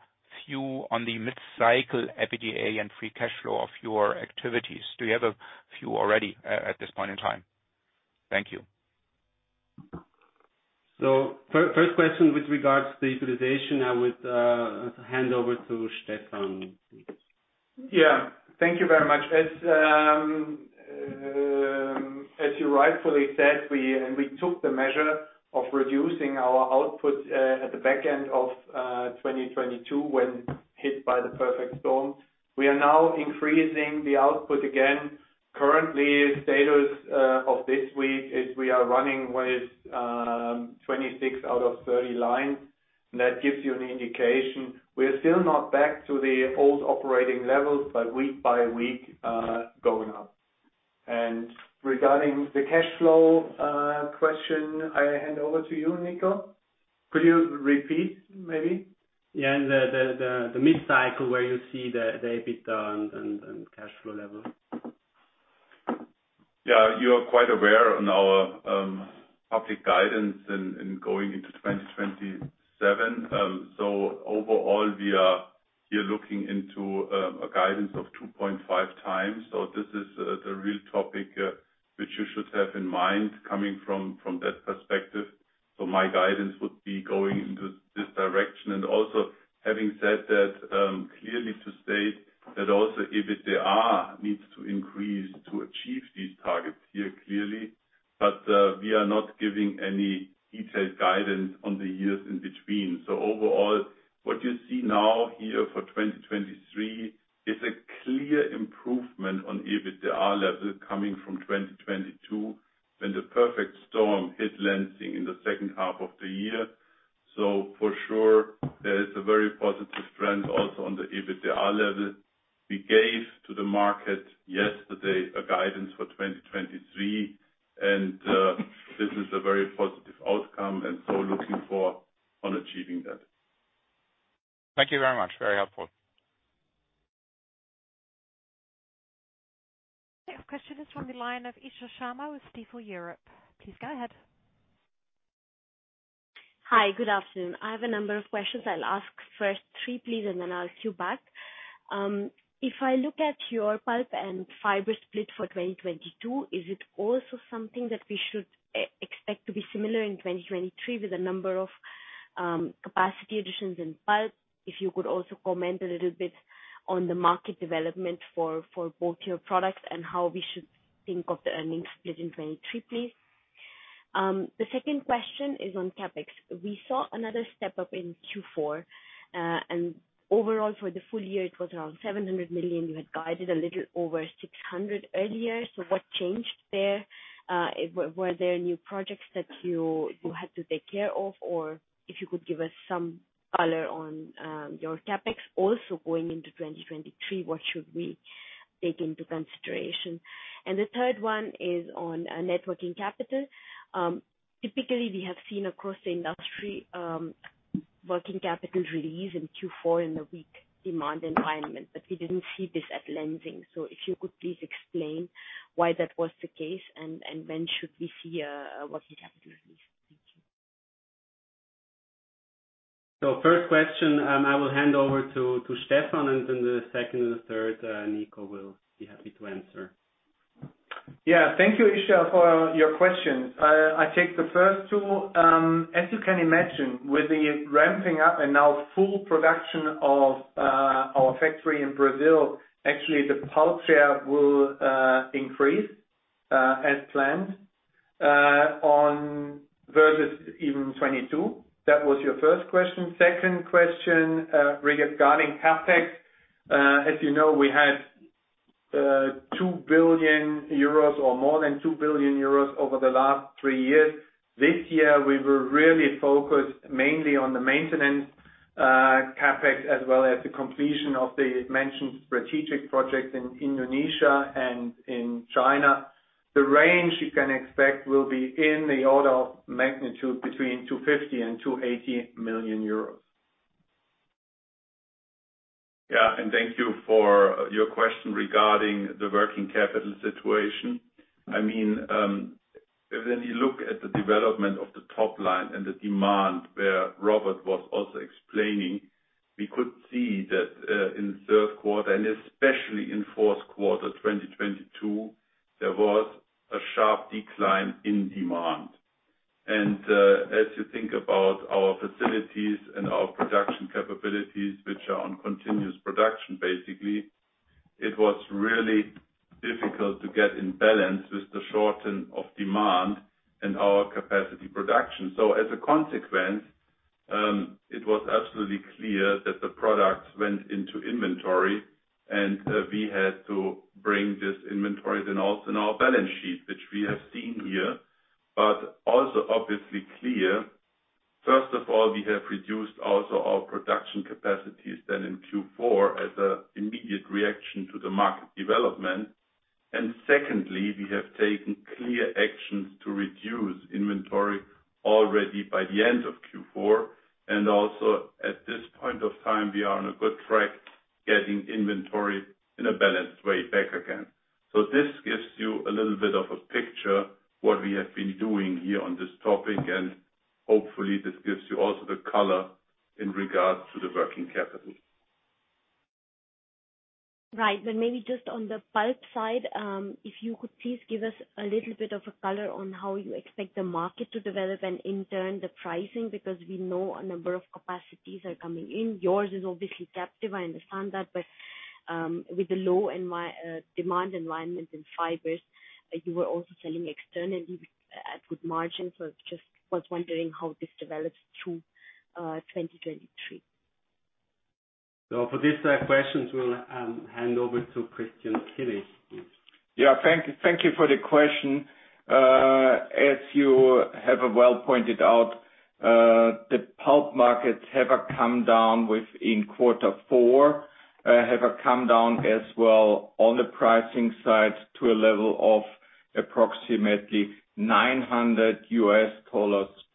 view on the mid-cycle EBITDA and free cash flow of your activities? Do you have a view already at this point in time? Thank you. First question with regards to the utilization, I would hand over to Stephan. Yeah. Thank you very much. As you rightfully said, we took the measure of reducing our output at the back end of 2022 when hit by the perfect storm. We are now increasing the output again. Currently, status of this week is we are running with 26 out of 30 lines. That gives you an indication. We are still not back to the old operating levels, but week by week going up. Regarding the cash flow question, I hand over to you, Nico. Could you repeat, maybe? Yeah. The mid-cycle where you see the EBITDA and cash flow level. Yeah, you are quite aware on our public guidance in going into 2027. Overall, we are here looking into a guidance of 2.5 times. This is the real topic which you should have in mind coming from that perspective. My guidance would be going into this direction. Also having said that, clearly to state that also EBITDA needs to increase to achieve these targets here clearly. But we are not giving any detailed guidance on the years in between. Overall, what you see now here for 2023 is a clear improvement on EBITDA level coming from 2022 when the perfect storm hit Lenzing in the second half of the year. For sure, there is a very positive trend also on the EBITDA level. We gave to the market yesterday a guidance for 2023, and this is a very positive outcome, and so looking for on achieving that. Thank you very much. Very helpful. Next question is from the line of Isha Sharma with Stifel Europe. Please go ahead. Hi, good afternoon. I have a number of questions. I'll ask first three, please, and then I'll queue back. If I look at your pulp and fiber split for 2022, is it also something that we should expect to be similar in 2023 with a number of capacity additions in pulp? If you could also comment a little bit on the market development for both your products and how we should think of the earnings split in 2023, please. The second question is on CapEx. We saw another step up in Q4. Overall for the full year, it was around 700 million. You had guided a little over 600 million earlier. What changed there? Were there new projects that you had to take care of? If you could give us some color on your CapEx also going into 2023, what should we take into consideration? The third one is on networking capital. Typically, we have seen across the industry, working capital release in Q4 in a weak demand environment, but we didn't see this at Lenzing. If you could please explain why that was the case and when should we see working capital release. Thank you. First question, I will hand over to Stephan, and then the second and the third, Nico will be happy to answer. Thank you, Isha, for your questions. I take the first two. As you can imagine, with the ramping up and now full production of our factory in Brazil, actually the pulp share will increase as planned on versus even 2022. That was your first question. Second question regarding CapEx. As you know, we had 2 billion euros or more than 2 billion euros over the last three years. This year, we were really focused mainly on the maintenance CapEx, as well as the completion of the mentioned strategic project in Indonesia and in China. The range you can expect will be in the order of magnitude between 250 million-280 million euros. Thank you for your question regarding the working capital situation. I mean, when you look at the development of the top line and the demand, where Robert was also explaining, we could see that in Q3, and especially in Q4, 2022, there was a sharp decline in demand. As you think about our facilities and our production capabilities, which are on continuous production, basically, it was really difficult to get in balance with the shorten of demand and our capacity production. As a consequence, it was absolutely clear that the products went into inventory and we had to bring this inventory then also in our balance sheet, which we have seen here, but also obviously clear. First of all, we have reduced also our production capacities then in Q4 as an immediate reaction to the market development. Secondly, we have taken clear actions to reduce inventory already by the end of Q4, and also at this point of time, we are on a good track getting inventory in a balanced way back again. This gives you a little bit of a picture, what we have been doing here on this topic, and hopefully this gives you also the color in regards to the working capital. Right. Maybe just on the pulp side, if you could please give us a little bit of a color on how you expect the market to develop and in turn the pricing, because we know a number of capacities are coming in. Yours is obviously captive, I understand that, but with the low demand environment in fibers, you were also selling externally at good margins. Just was wondering how this develops through 2023. for this, questions, we'll hand over to Christian Skilich. Thank you for the question. As you have well pointed out, the pulp markets have come down within quarter four, have come down as well on the pricing side to a level of approximately $900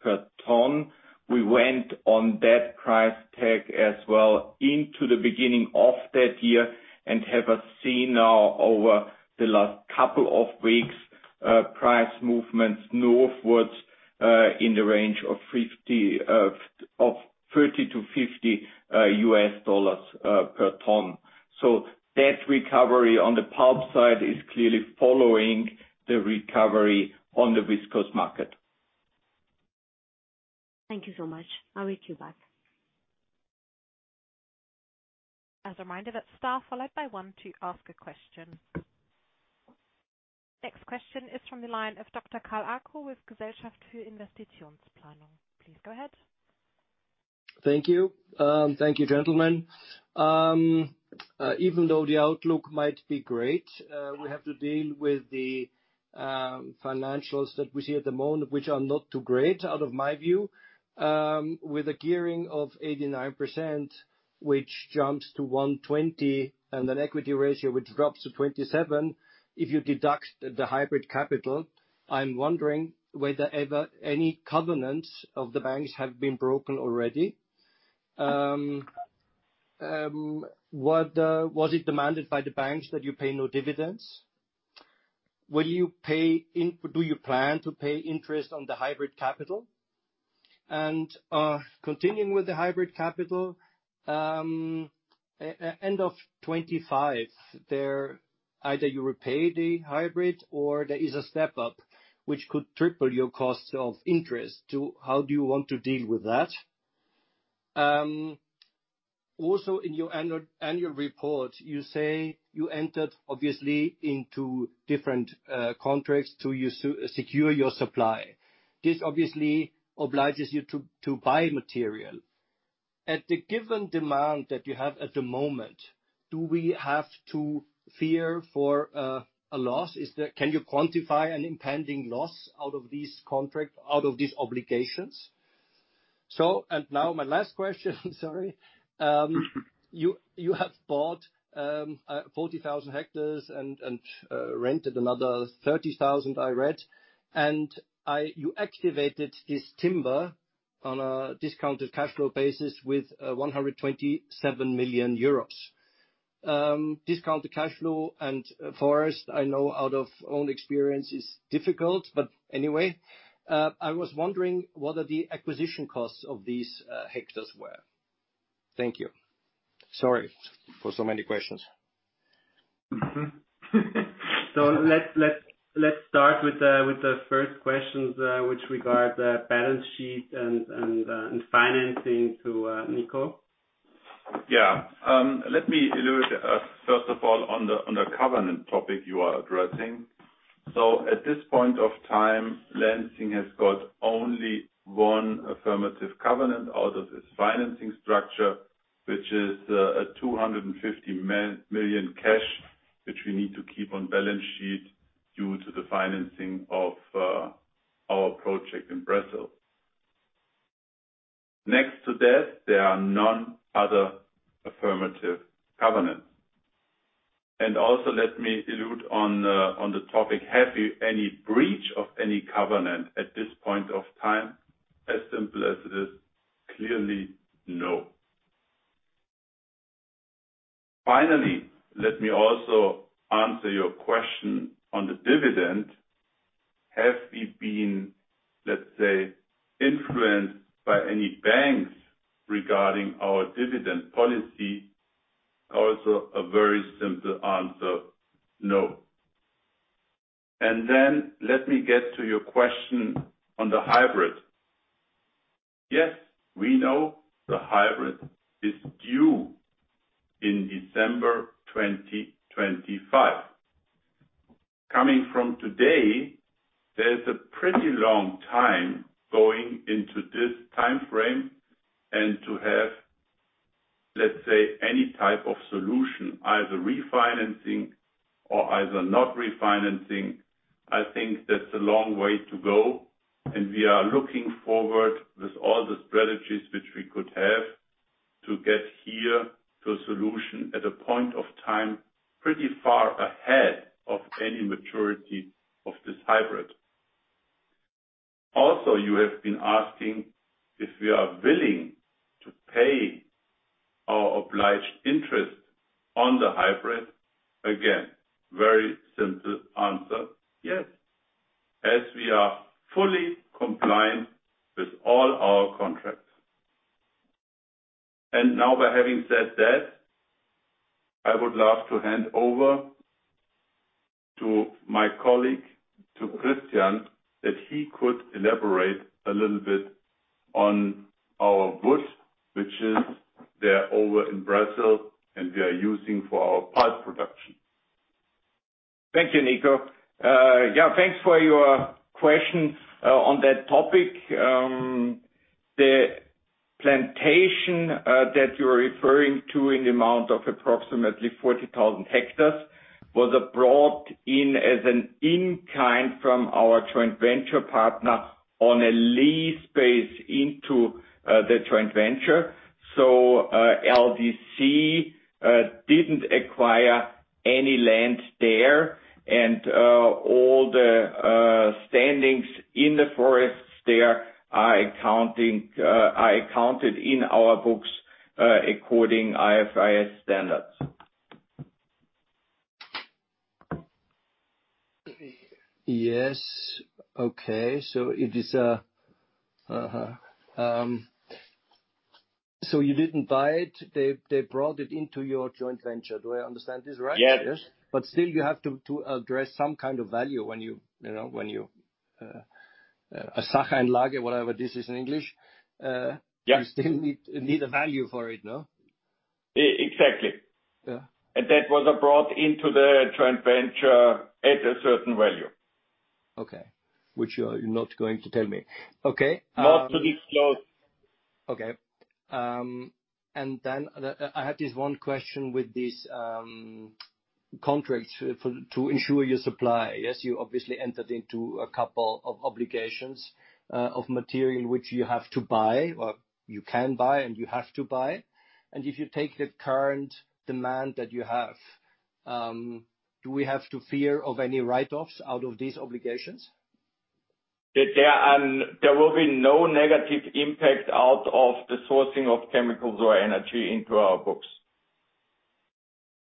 per ton. We went on that price tag as well into the beginning of that year and have seen now over the last couple of weeks price movements northwards in the range of $30-$50 per ton. That recovery on the pulp side is clearly following the recovery on the viscose market. Thank you so much. I'll reach you back. As a reminder, that's star followed by 1 to ask a question. Next question is from the line of Dr. Karl Arco with Gesellschaft für Investitionsplanung. Please go ahead. Thank you. Thank you, gentlemen. Even though the outlook might be great, we have to deal with the financials that we see at the moment, which are not too great out of my view, with a gearing of 89%, which jumps to 120% and an equity ratio which drops to 27% if you deduct the hybrid capital. I'm wondering whether ever any covenants of the banks have been broken already? What was it demanded by the banks that you pay no dividends? Will you Do you plan to pay interest on the hybrid capital? Continuing with the hybrid capital, end of 2025, there either you repay the hybrid or there is a step-up which could triple your cost of interest to. How do you want to deal with that? Also in your annual report, you say you entered obviously into different contracts to use to secure your supply. This obviously obliges you to buy material. At the given demand that you have at the moment, do we have to fear for a loss? Can you quantify an impending loss out of these contracts, out of these obligations? Now my last question, sorry. You have bought 40,000 hectares and rented another 30,000, I read. You activated this timber on a discounted cash flow basis with 127 million euros. Discounted cash flow and forest, I know out of own experience, is difficult. Anyway, I was wondering what are the acquisition costs of these hectares were. Thank you. Sorry for so many questions. Let's start with the first questions, which regards the balance sheet and financing to Nico. Yeah. Let me allude, first of all, on the covenant topic you are addressing. At this point of time, Lenzing has got only one affirmative covenant out of its financing structure, which is 250 million cash, which we need to keep on balance sheet due to the financing of our project in Brazil. Next to that, there are none other affirmative covenants. Let me allude on the topic, have you any breach of any covenant at this point of time? As simple as it is, clearly, no. Finally, let me also answer your question on the dividend. Have we been, let's say, influenced by any banks regarding our dividend policy? Also a very simple answer, no. Let me get to your question on the hybrid. We know the hybrid is due in December 2025. Coming from today, there's a pretty long time going into this timeframe and to have, let's say, any type of solution, either refinancing or either not refinancing. I think that's a long way to go. We are looking forward with all the strategies which we could have to get here to a solution at a point of time, pretty far ahead of any maturity of this hybrid. You have been asking if we are willing to pay our obliged interest on the hybrid. Very simple answer, yes. We are fully compliant with all our contracts. Now, by having said that, I would love to hand over to my colleague, to Christian Skilich, that he could elaborate a little bit on our wood, which is there over in Brazil, and we are using for our pulp production. Thank you, Nico. Yeah, thanks for your question on that topic. The plantation that you're referring to in the amount of approximately 40,000 hectares was brought in as an in-kind from our joint venture partner on a lease base into the joint venture. LDC didn't acquire any land there, and all the standings in the forests there are accounted in our books according IFRS standards. Yes. Okay. It is, so you didn't buy it. They brought it into your joint venture. Do I understand this right? Yes. Yes. Still you have to address some kind of value when you know, when you, whatever this is in English. Yeah. You still need a value for it, no? E-exactly. Yeah. That was brought into the joint venture at a certain value. Okay, which you're not going to tell me. Okay. Not to disclose. Okay. I had this one question with this contract to ensure your supply. Yes, you obviously entered into a couple of obligations of material which you have to buy or you can buy and you have to buy. If you take the current demand that you have, do we have to fear of any write-offs out of these obligations? There will be no negative impact out of the sourcing of chemicals or energy into our books.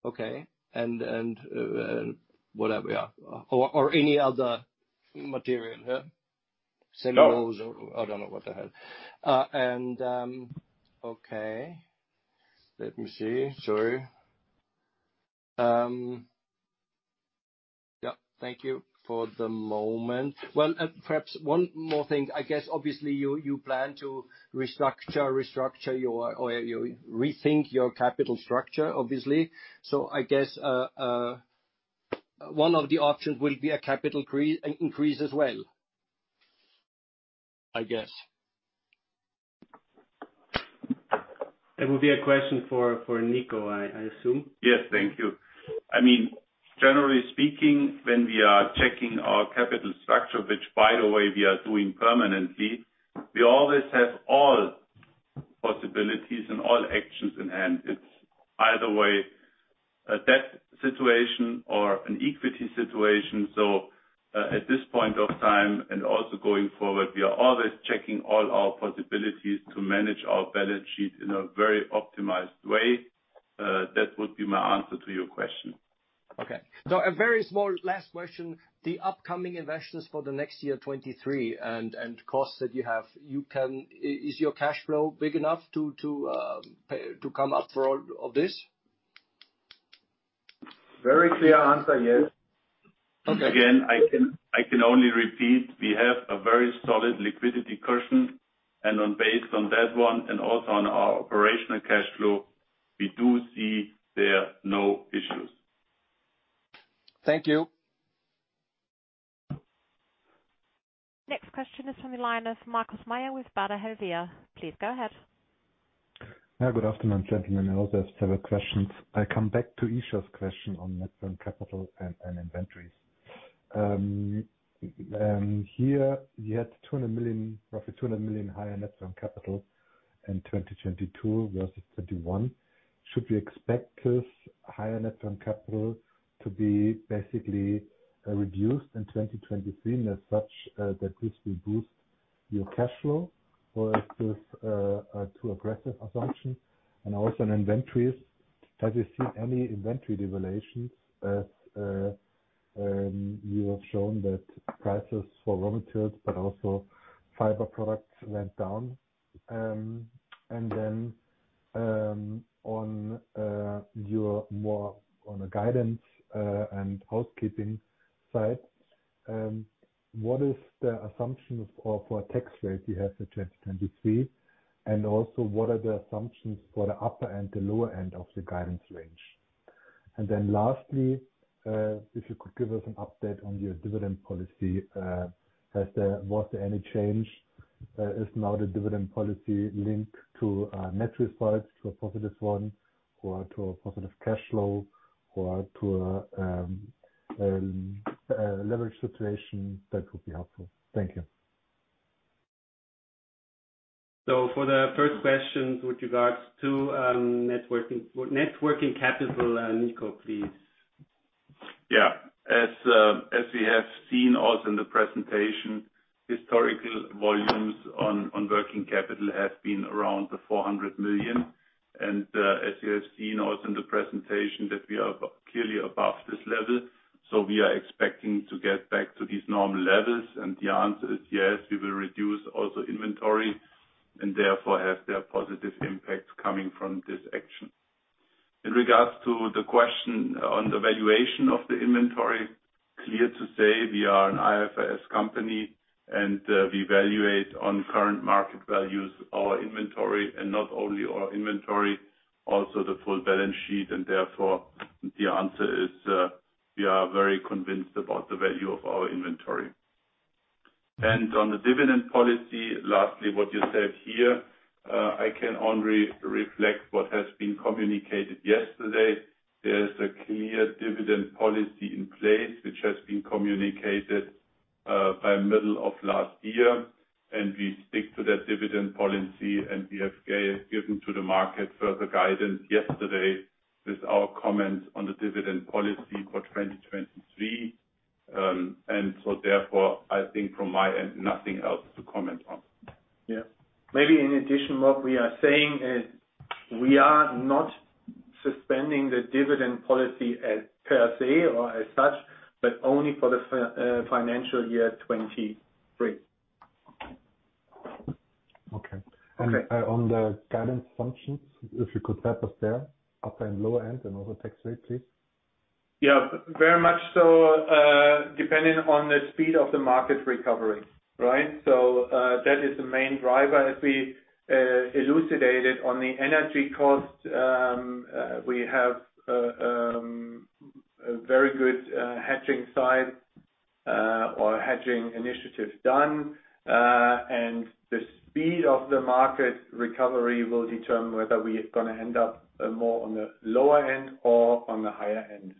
Okay. Whatever. Yeah. Any other material, yeah? No. I don't know what the hell. Okay. Let me see. Sorry. Thank you for the moment. Well, perhaps 1 more thing. I guess, obviously, you plan to restructure your or you rethink your capital structure, obviously. I guess, 1 of the options will be a capital increase as well, I guess. It will be a question for Nico, I assume. Yes. Thank you. I mean, generally speaking, when we are checking our capital structure, which by the way we are doing permanently, we always have all possibilities and all actions in hand. It's either way, a debt situation or an equity situation. At this point of time and also going forward, we are always checking all our possibilities to manage our balance sheet in a very optimized way. That would be my answer to your question. Okay. Now, a very small last question. The upcoming investments for the next year, 23, and costs that you have, you can... Is your cash flow big enough to pay to come up for all of this? Very clear answer, yes. Okay. I can only repeat, we have a very solid liquidity cushion, and on based on that one and also on our operational cash flow, we do see there are no issues. Thank you. Next question is from the line of Markus Mayer with Baader Helvea. Please go ahead. Yeah, good afternoon, gentlemen. I also have several questions. I come back to Isha's question on net working capital and inventories. Here you had 200 million, roughly 200 million higher net working capital in 2022 versus 2021. Should we expect this higher net working capital to be basically reduced in 2023, and as such, that this will boost your cash flow, or is this a too aggressive assumption? Also on inventories, have you seen any inventory devaluations as you have shown that prices for raw materials but also fiber products went down? On your more on the guidance and housekeeping side, what is the assumption of or for tax rate you have for 2023? Also, what are the assumptions for the upper end, the lower end of the guidance range? Lastly, if you could give us an update on your dividend policy, was there any change? Is now the dividend policy linked to net results to a positive one or to a positive cash flow or to leverage situation? That would be helpful. Thank you. For the first question with regards to, networking, net working capital, Nico, please. Yeah. As, as we have seen also in the presentation, historical volumes on working capital have been around the 400 million. As you have seen also in the presentation that we are clearly above this level. We are expecting to get back to these normal levels. The answer is, yes, we will reduce also inventory and therefore have their positive impact coming from this action. In regards to the question on the valuation of the inventory, clear to say we are an IFRS company, we evaluate on current market values our inventory and not only our inventory, also the full balance sheet. Therefore, the answer is, we are very convinced about the value of our inventory. On the dividend policy, lastly, what you said here, I can only reflect what has been communicated yesterday. There is a clear dividend policy in place which has been communicated, by middle of last year, and we stick to that dividend policy, and we have given to the market further guidance yesterday with our comments on the dividend policy for 2023. Therefore, I think from my end, nothing else to comment on. Maybe in addition, what we are saying is we are not suspending the dividend policy as per se or as such, but only for the financial year 2023. Okay. Okay. On the guidance functions, if you could help us there, upper and lower end and also tax rate, please. Yeah. Very much so, depending on the speed of the market recovery, right? That is the main driver as we elucidated on the energy cost. We have a very good hedging side or hedging initiative done. The speed of the market recovery will determine whether we are gonna end up more on the lower end or on the higher end.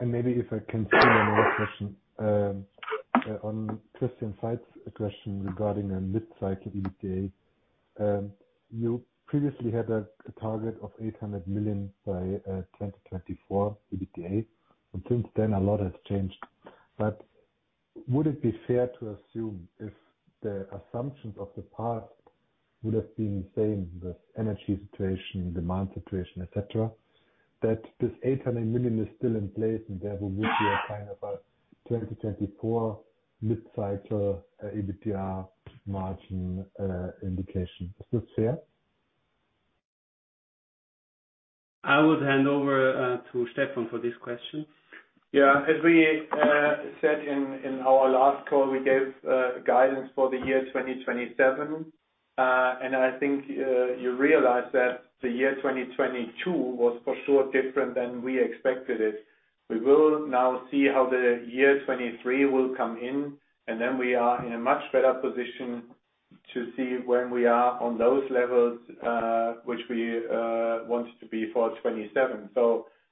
Maybe if I can throw in another question, on Christian Faitz's question regarding a mid-cycle EBITDA. You previously had a target of 800 million by 2024 EBITDA. Since then, a lot has changed. Would it be fair to assume if the assumptions of the past would have been the same, the energy situation, demand situation, et cetera, that this 800 million is still in place, and there will be a kind of a 2024 mid-cycle EBITDA margin indication. Is this fair? I would hand over, to Stephan for this question. Yeah. As we said in our last call, we gave guidance for the year 2027. I think you realize that the year 2022 was for sure different than we expected it. We will now see how the year 2023 will come in, and then we are in a much better position to see where we are on those levels, which we want to be for 2027.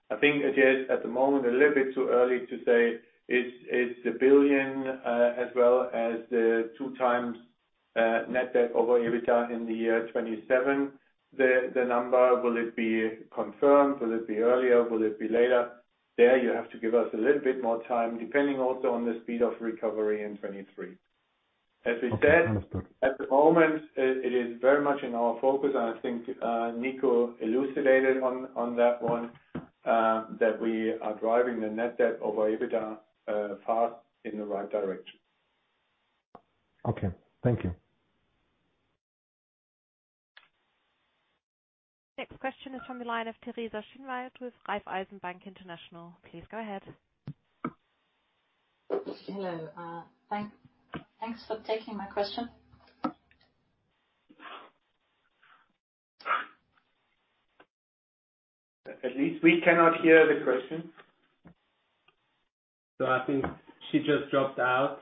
I think it is, at the moment, a little bit too early to say it's 1 billion, as well as the 2 times net debt to EBITDA in the year 2027. The number, will it be confirmed? Will it be earlier? Will it be later? There, you have to give us a little bit more time, depending also on the speed of recovery in 2023. As we said, at the moment, it is very much in our focus, and I think Nico elucidated on that one, that we are driving the net debt over EBITDA path in the right direction. Okay. Thank you. Next question is from the line of Teresa Schinwald with Raiffeisen Bank International. Please go ahead. Hello. thanks for taking my question. At least we cannot hear the question. I think she just dropped out.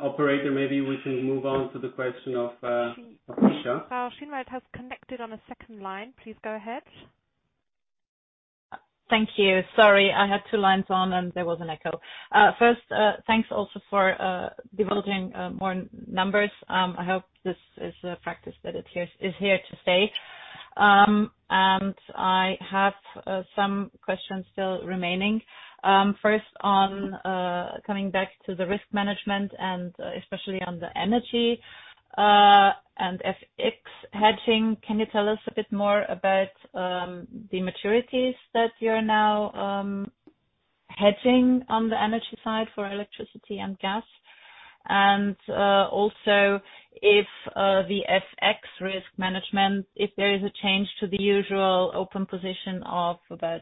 Operator, maybe we can move on to the question of Isha. Schinwald has connected on a second line. Please go ahead. Thank you. Sorry, I had two lines on and there was an echo. First, thanks also for developing more numbers. I hope this is a practice that is here to stay. I have some questions still remaining. First on coming back to the risk management and especially on the energy and FX hedging. Can you tell us a bit more about the maturities that you're now hedging on the energy side for electricity and gas? Also if the FX risk management, if there is a change to the usual open position of about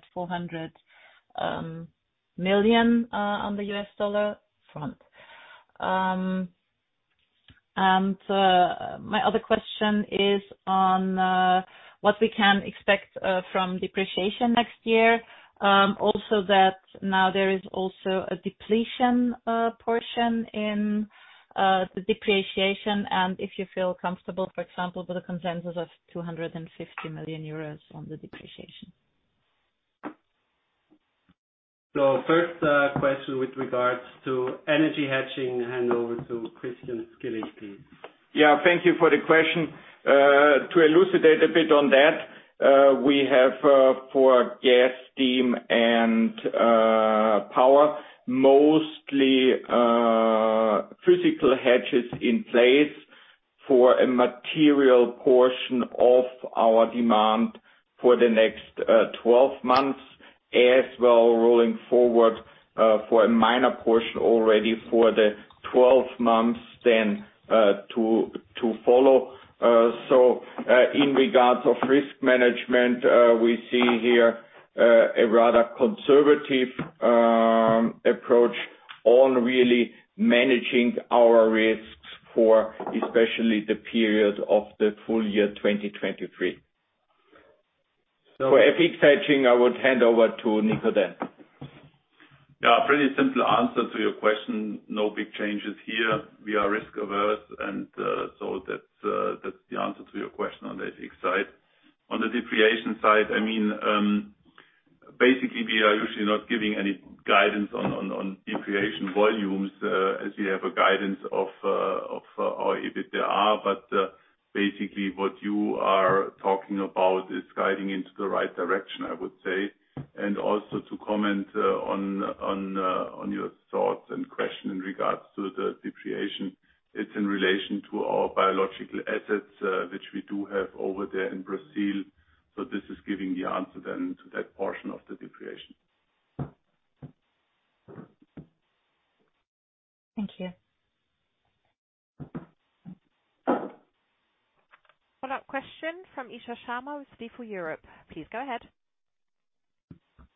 $400 million on the US dollar front? My other question is on what we can expect from depreciation next year? Also that now there is also a depletion portion in the depreciation, and if you feel comfortable, for example, with a consensus of 250 million euros on the depreciation. First, question with regards to energy hedging, hand over to Christian Skilich, please. Yeah, thank you for the question. To elucidate a bit on that, we have, for gas, steam, and, power, mostly, physical hedges in place for a material portion of our demand for the next, 12 months, as well rolling forward, for a minor portion already for the 12 months then, to follow. In regards of risk management, we see here, a rather conservative, approach on really managing our risks for especially the period of the full year 2023. For FX hedging, I would hand over to Nico then. Yeah, pretty simple answer to your question. No big changes here. We are risk averse and, so that's the answer to your question on the FX side. On the depreciation side, I mean, basically, we are usually not giving any guidance on depreciation volumes, as we have a guidance of, or if there are. Basically, what you are talking about is guiding into the right direction, I would say. Also to comment on your thoughts and question in regards to the depreciation, it's in relation to our biological assets, which we do have over there in Brazil. This is giving the answer then to that portion of the depreciation. Thank you. Follow-up question from Isha Sharma with Stifel Europe. Please go ahead.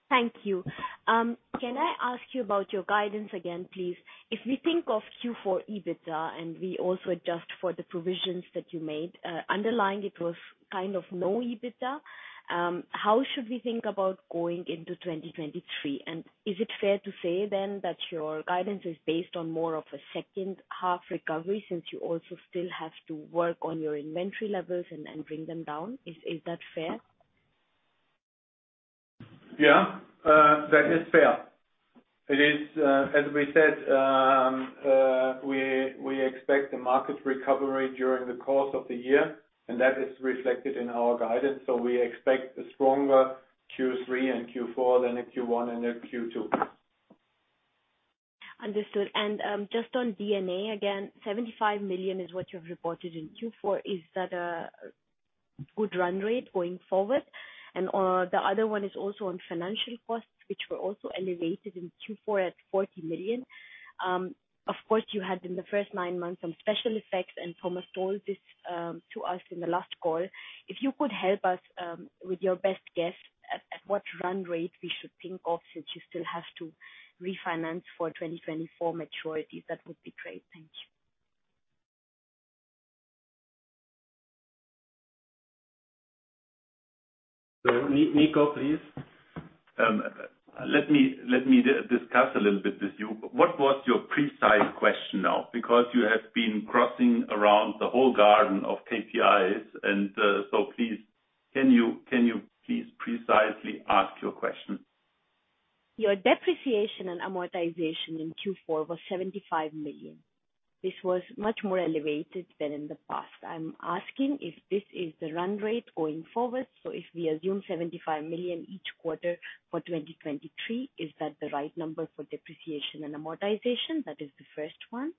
Thank you. Can I ask you about your guidance again, please? If we think of Q4 EBITDA, and we also adjust for the provisions that you made, underlying it was kind of no EBITDA, how should we think about going into 2023? Is it fair to say then that your guidance is based on more of a second half recovery since you also still have to work on your inventory levels and bring them down? Is that fair? Yeah, that is fair. It is, as we said, we expect the market recovery during the course of the year. That is reflected in our guidance. We expect a stronger Q3 and Q4 than in Q1 and in Q2. Understood. Just on D&A, again, 75 million is what you have reported in Q4. Is that a good run rate going forward? The other one is also on financial costs, which were also elevated in Q4 at 40 million. Of course, you had in the first 9 months some special effects, and Thomas told this to us in the last call. If you could help us with your best guess at what run rate we should think of, since you still have to refinance for 2024 maturities. That would be great. Thank you. Nico, please. Let me discuss a little bit with you. What was your precise question now? You have been crossing around the whole garden of KPIs and, please, can you please precisely ask your question? Your Depreciation and Amortization in Q4 was 75 million. This was much more elevated than in the past. I'm asking if this is the run rate going forward. If we assume 75 million each quarter for 2023, is that the right number for Depreciation and Amortization? That is the first one.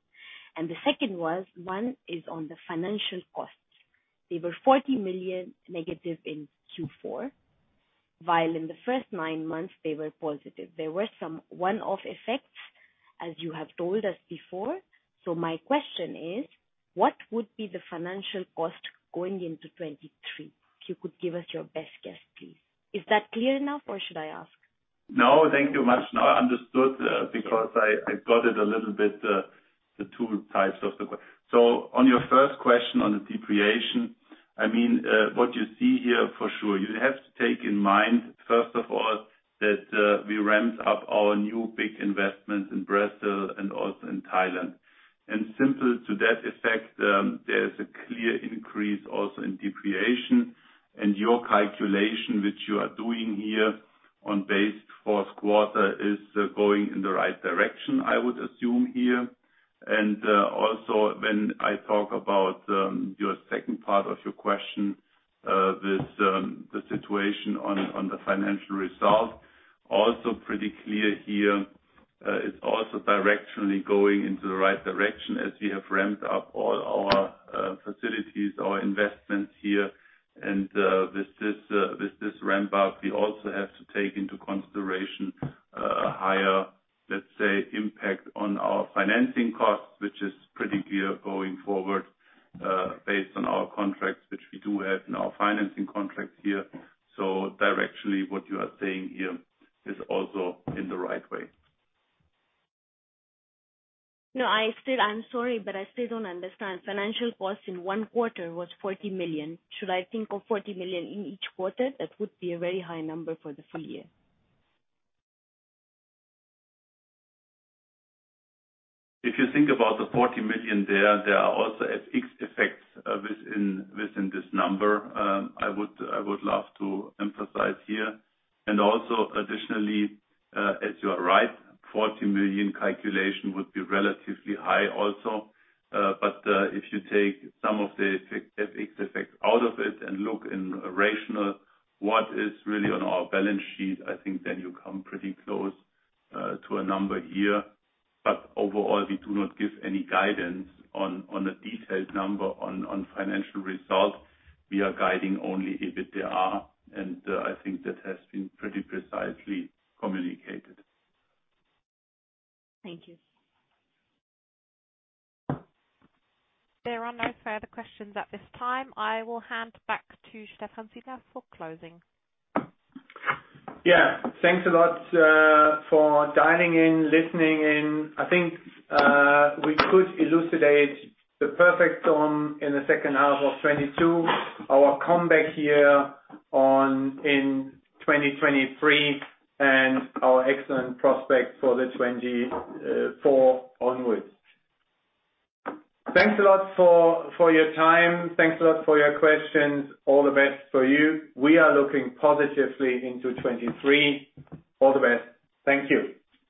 The second was, one is on the financial costs. They were 40 million negative in Q4, while in the first nine months they were positive. There were some one-off effects, as you have told us before. My question is: What would be the financial cost going into 2023? If you could give us your best guess, please. Is that clear enough, or should I ask? No, thank you much. No, understood. Because I got it a little bit. So on your first question on the depreciation, I mean, what you see here for sure, you have to take in mind, first of all, that we ramped up our new big investments in Brazil and also in Thailand. Simple to that effect, there is a clear increase also in depreciation. Your calculation, which you are doing here on base Q4, is going in the right direction, I would assume here. Also, when I talk about your second part of your question, this, the situation on the financial results, also pretty clear here. It's also directionally going into the right direction as we have ramped up all our facilities, our investments here. With this ramp up, we also have to take into consideration, a higher, let's say, impact on our financing costs, which is pretty clear going forward, based on our contracts, which we do have in our financing contracts here. Directionally, what you are saying here is also in the right way. No, I'm sorry, but I still don't understand. Financial costs in 1 quarter was 40 million. Should I think of 40 million in each quarter? That would be a very high number for the full year. If you think about the 40 million there are also FX effects within this number. I would love to emphasize here. Also additionally, as you are right, 40 million calculation would be relatively high also. If you take some of the FX effects out of it and look in rationale what is really on our balance sheet, I think then you come pretty close to a number here. Overall, we do not give any guidance on a detailed number on financial results. We are guiding only EBITDA. I think that has been pretty precisely communicated. Thank you. There are no further questions at this time. I will hand back to Stephan Sielaff for closing. Yeah. Thanks a lot for dialing in, listening in. I think, we could elucidate the perfect storm in the second half of 2022, our comeback year in 2023, and our excellent prospects for the 2024 onwards. Thanks a lot for your time. Thanks a lot for your questions. All the best for you. We are looking positively into 2023. All the best. Thank you.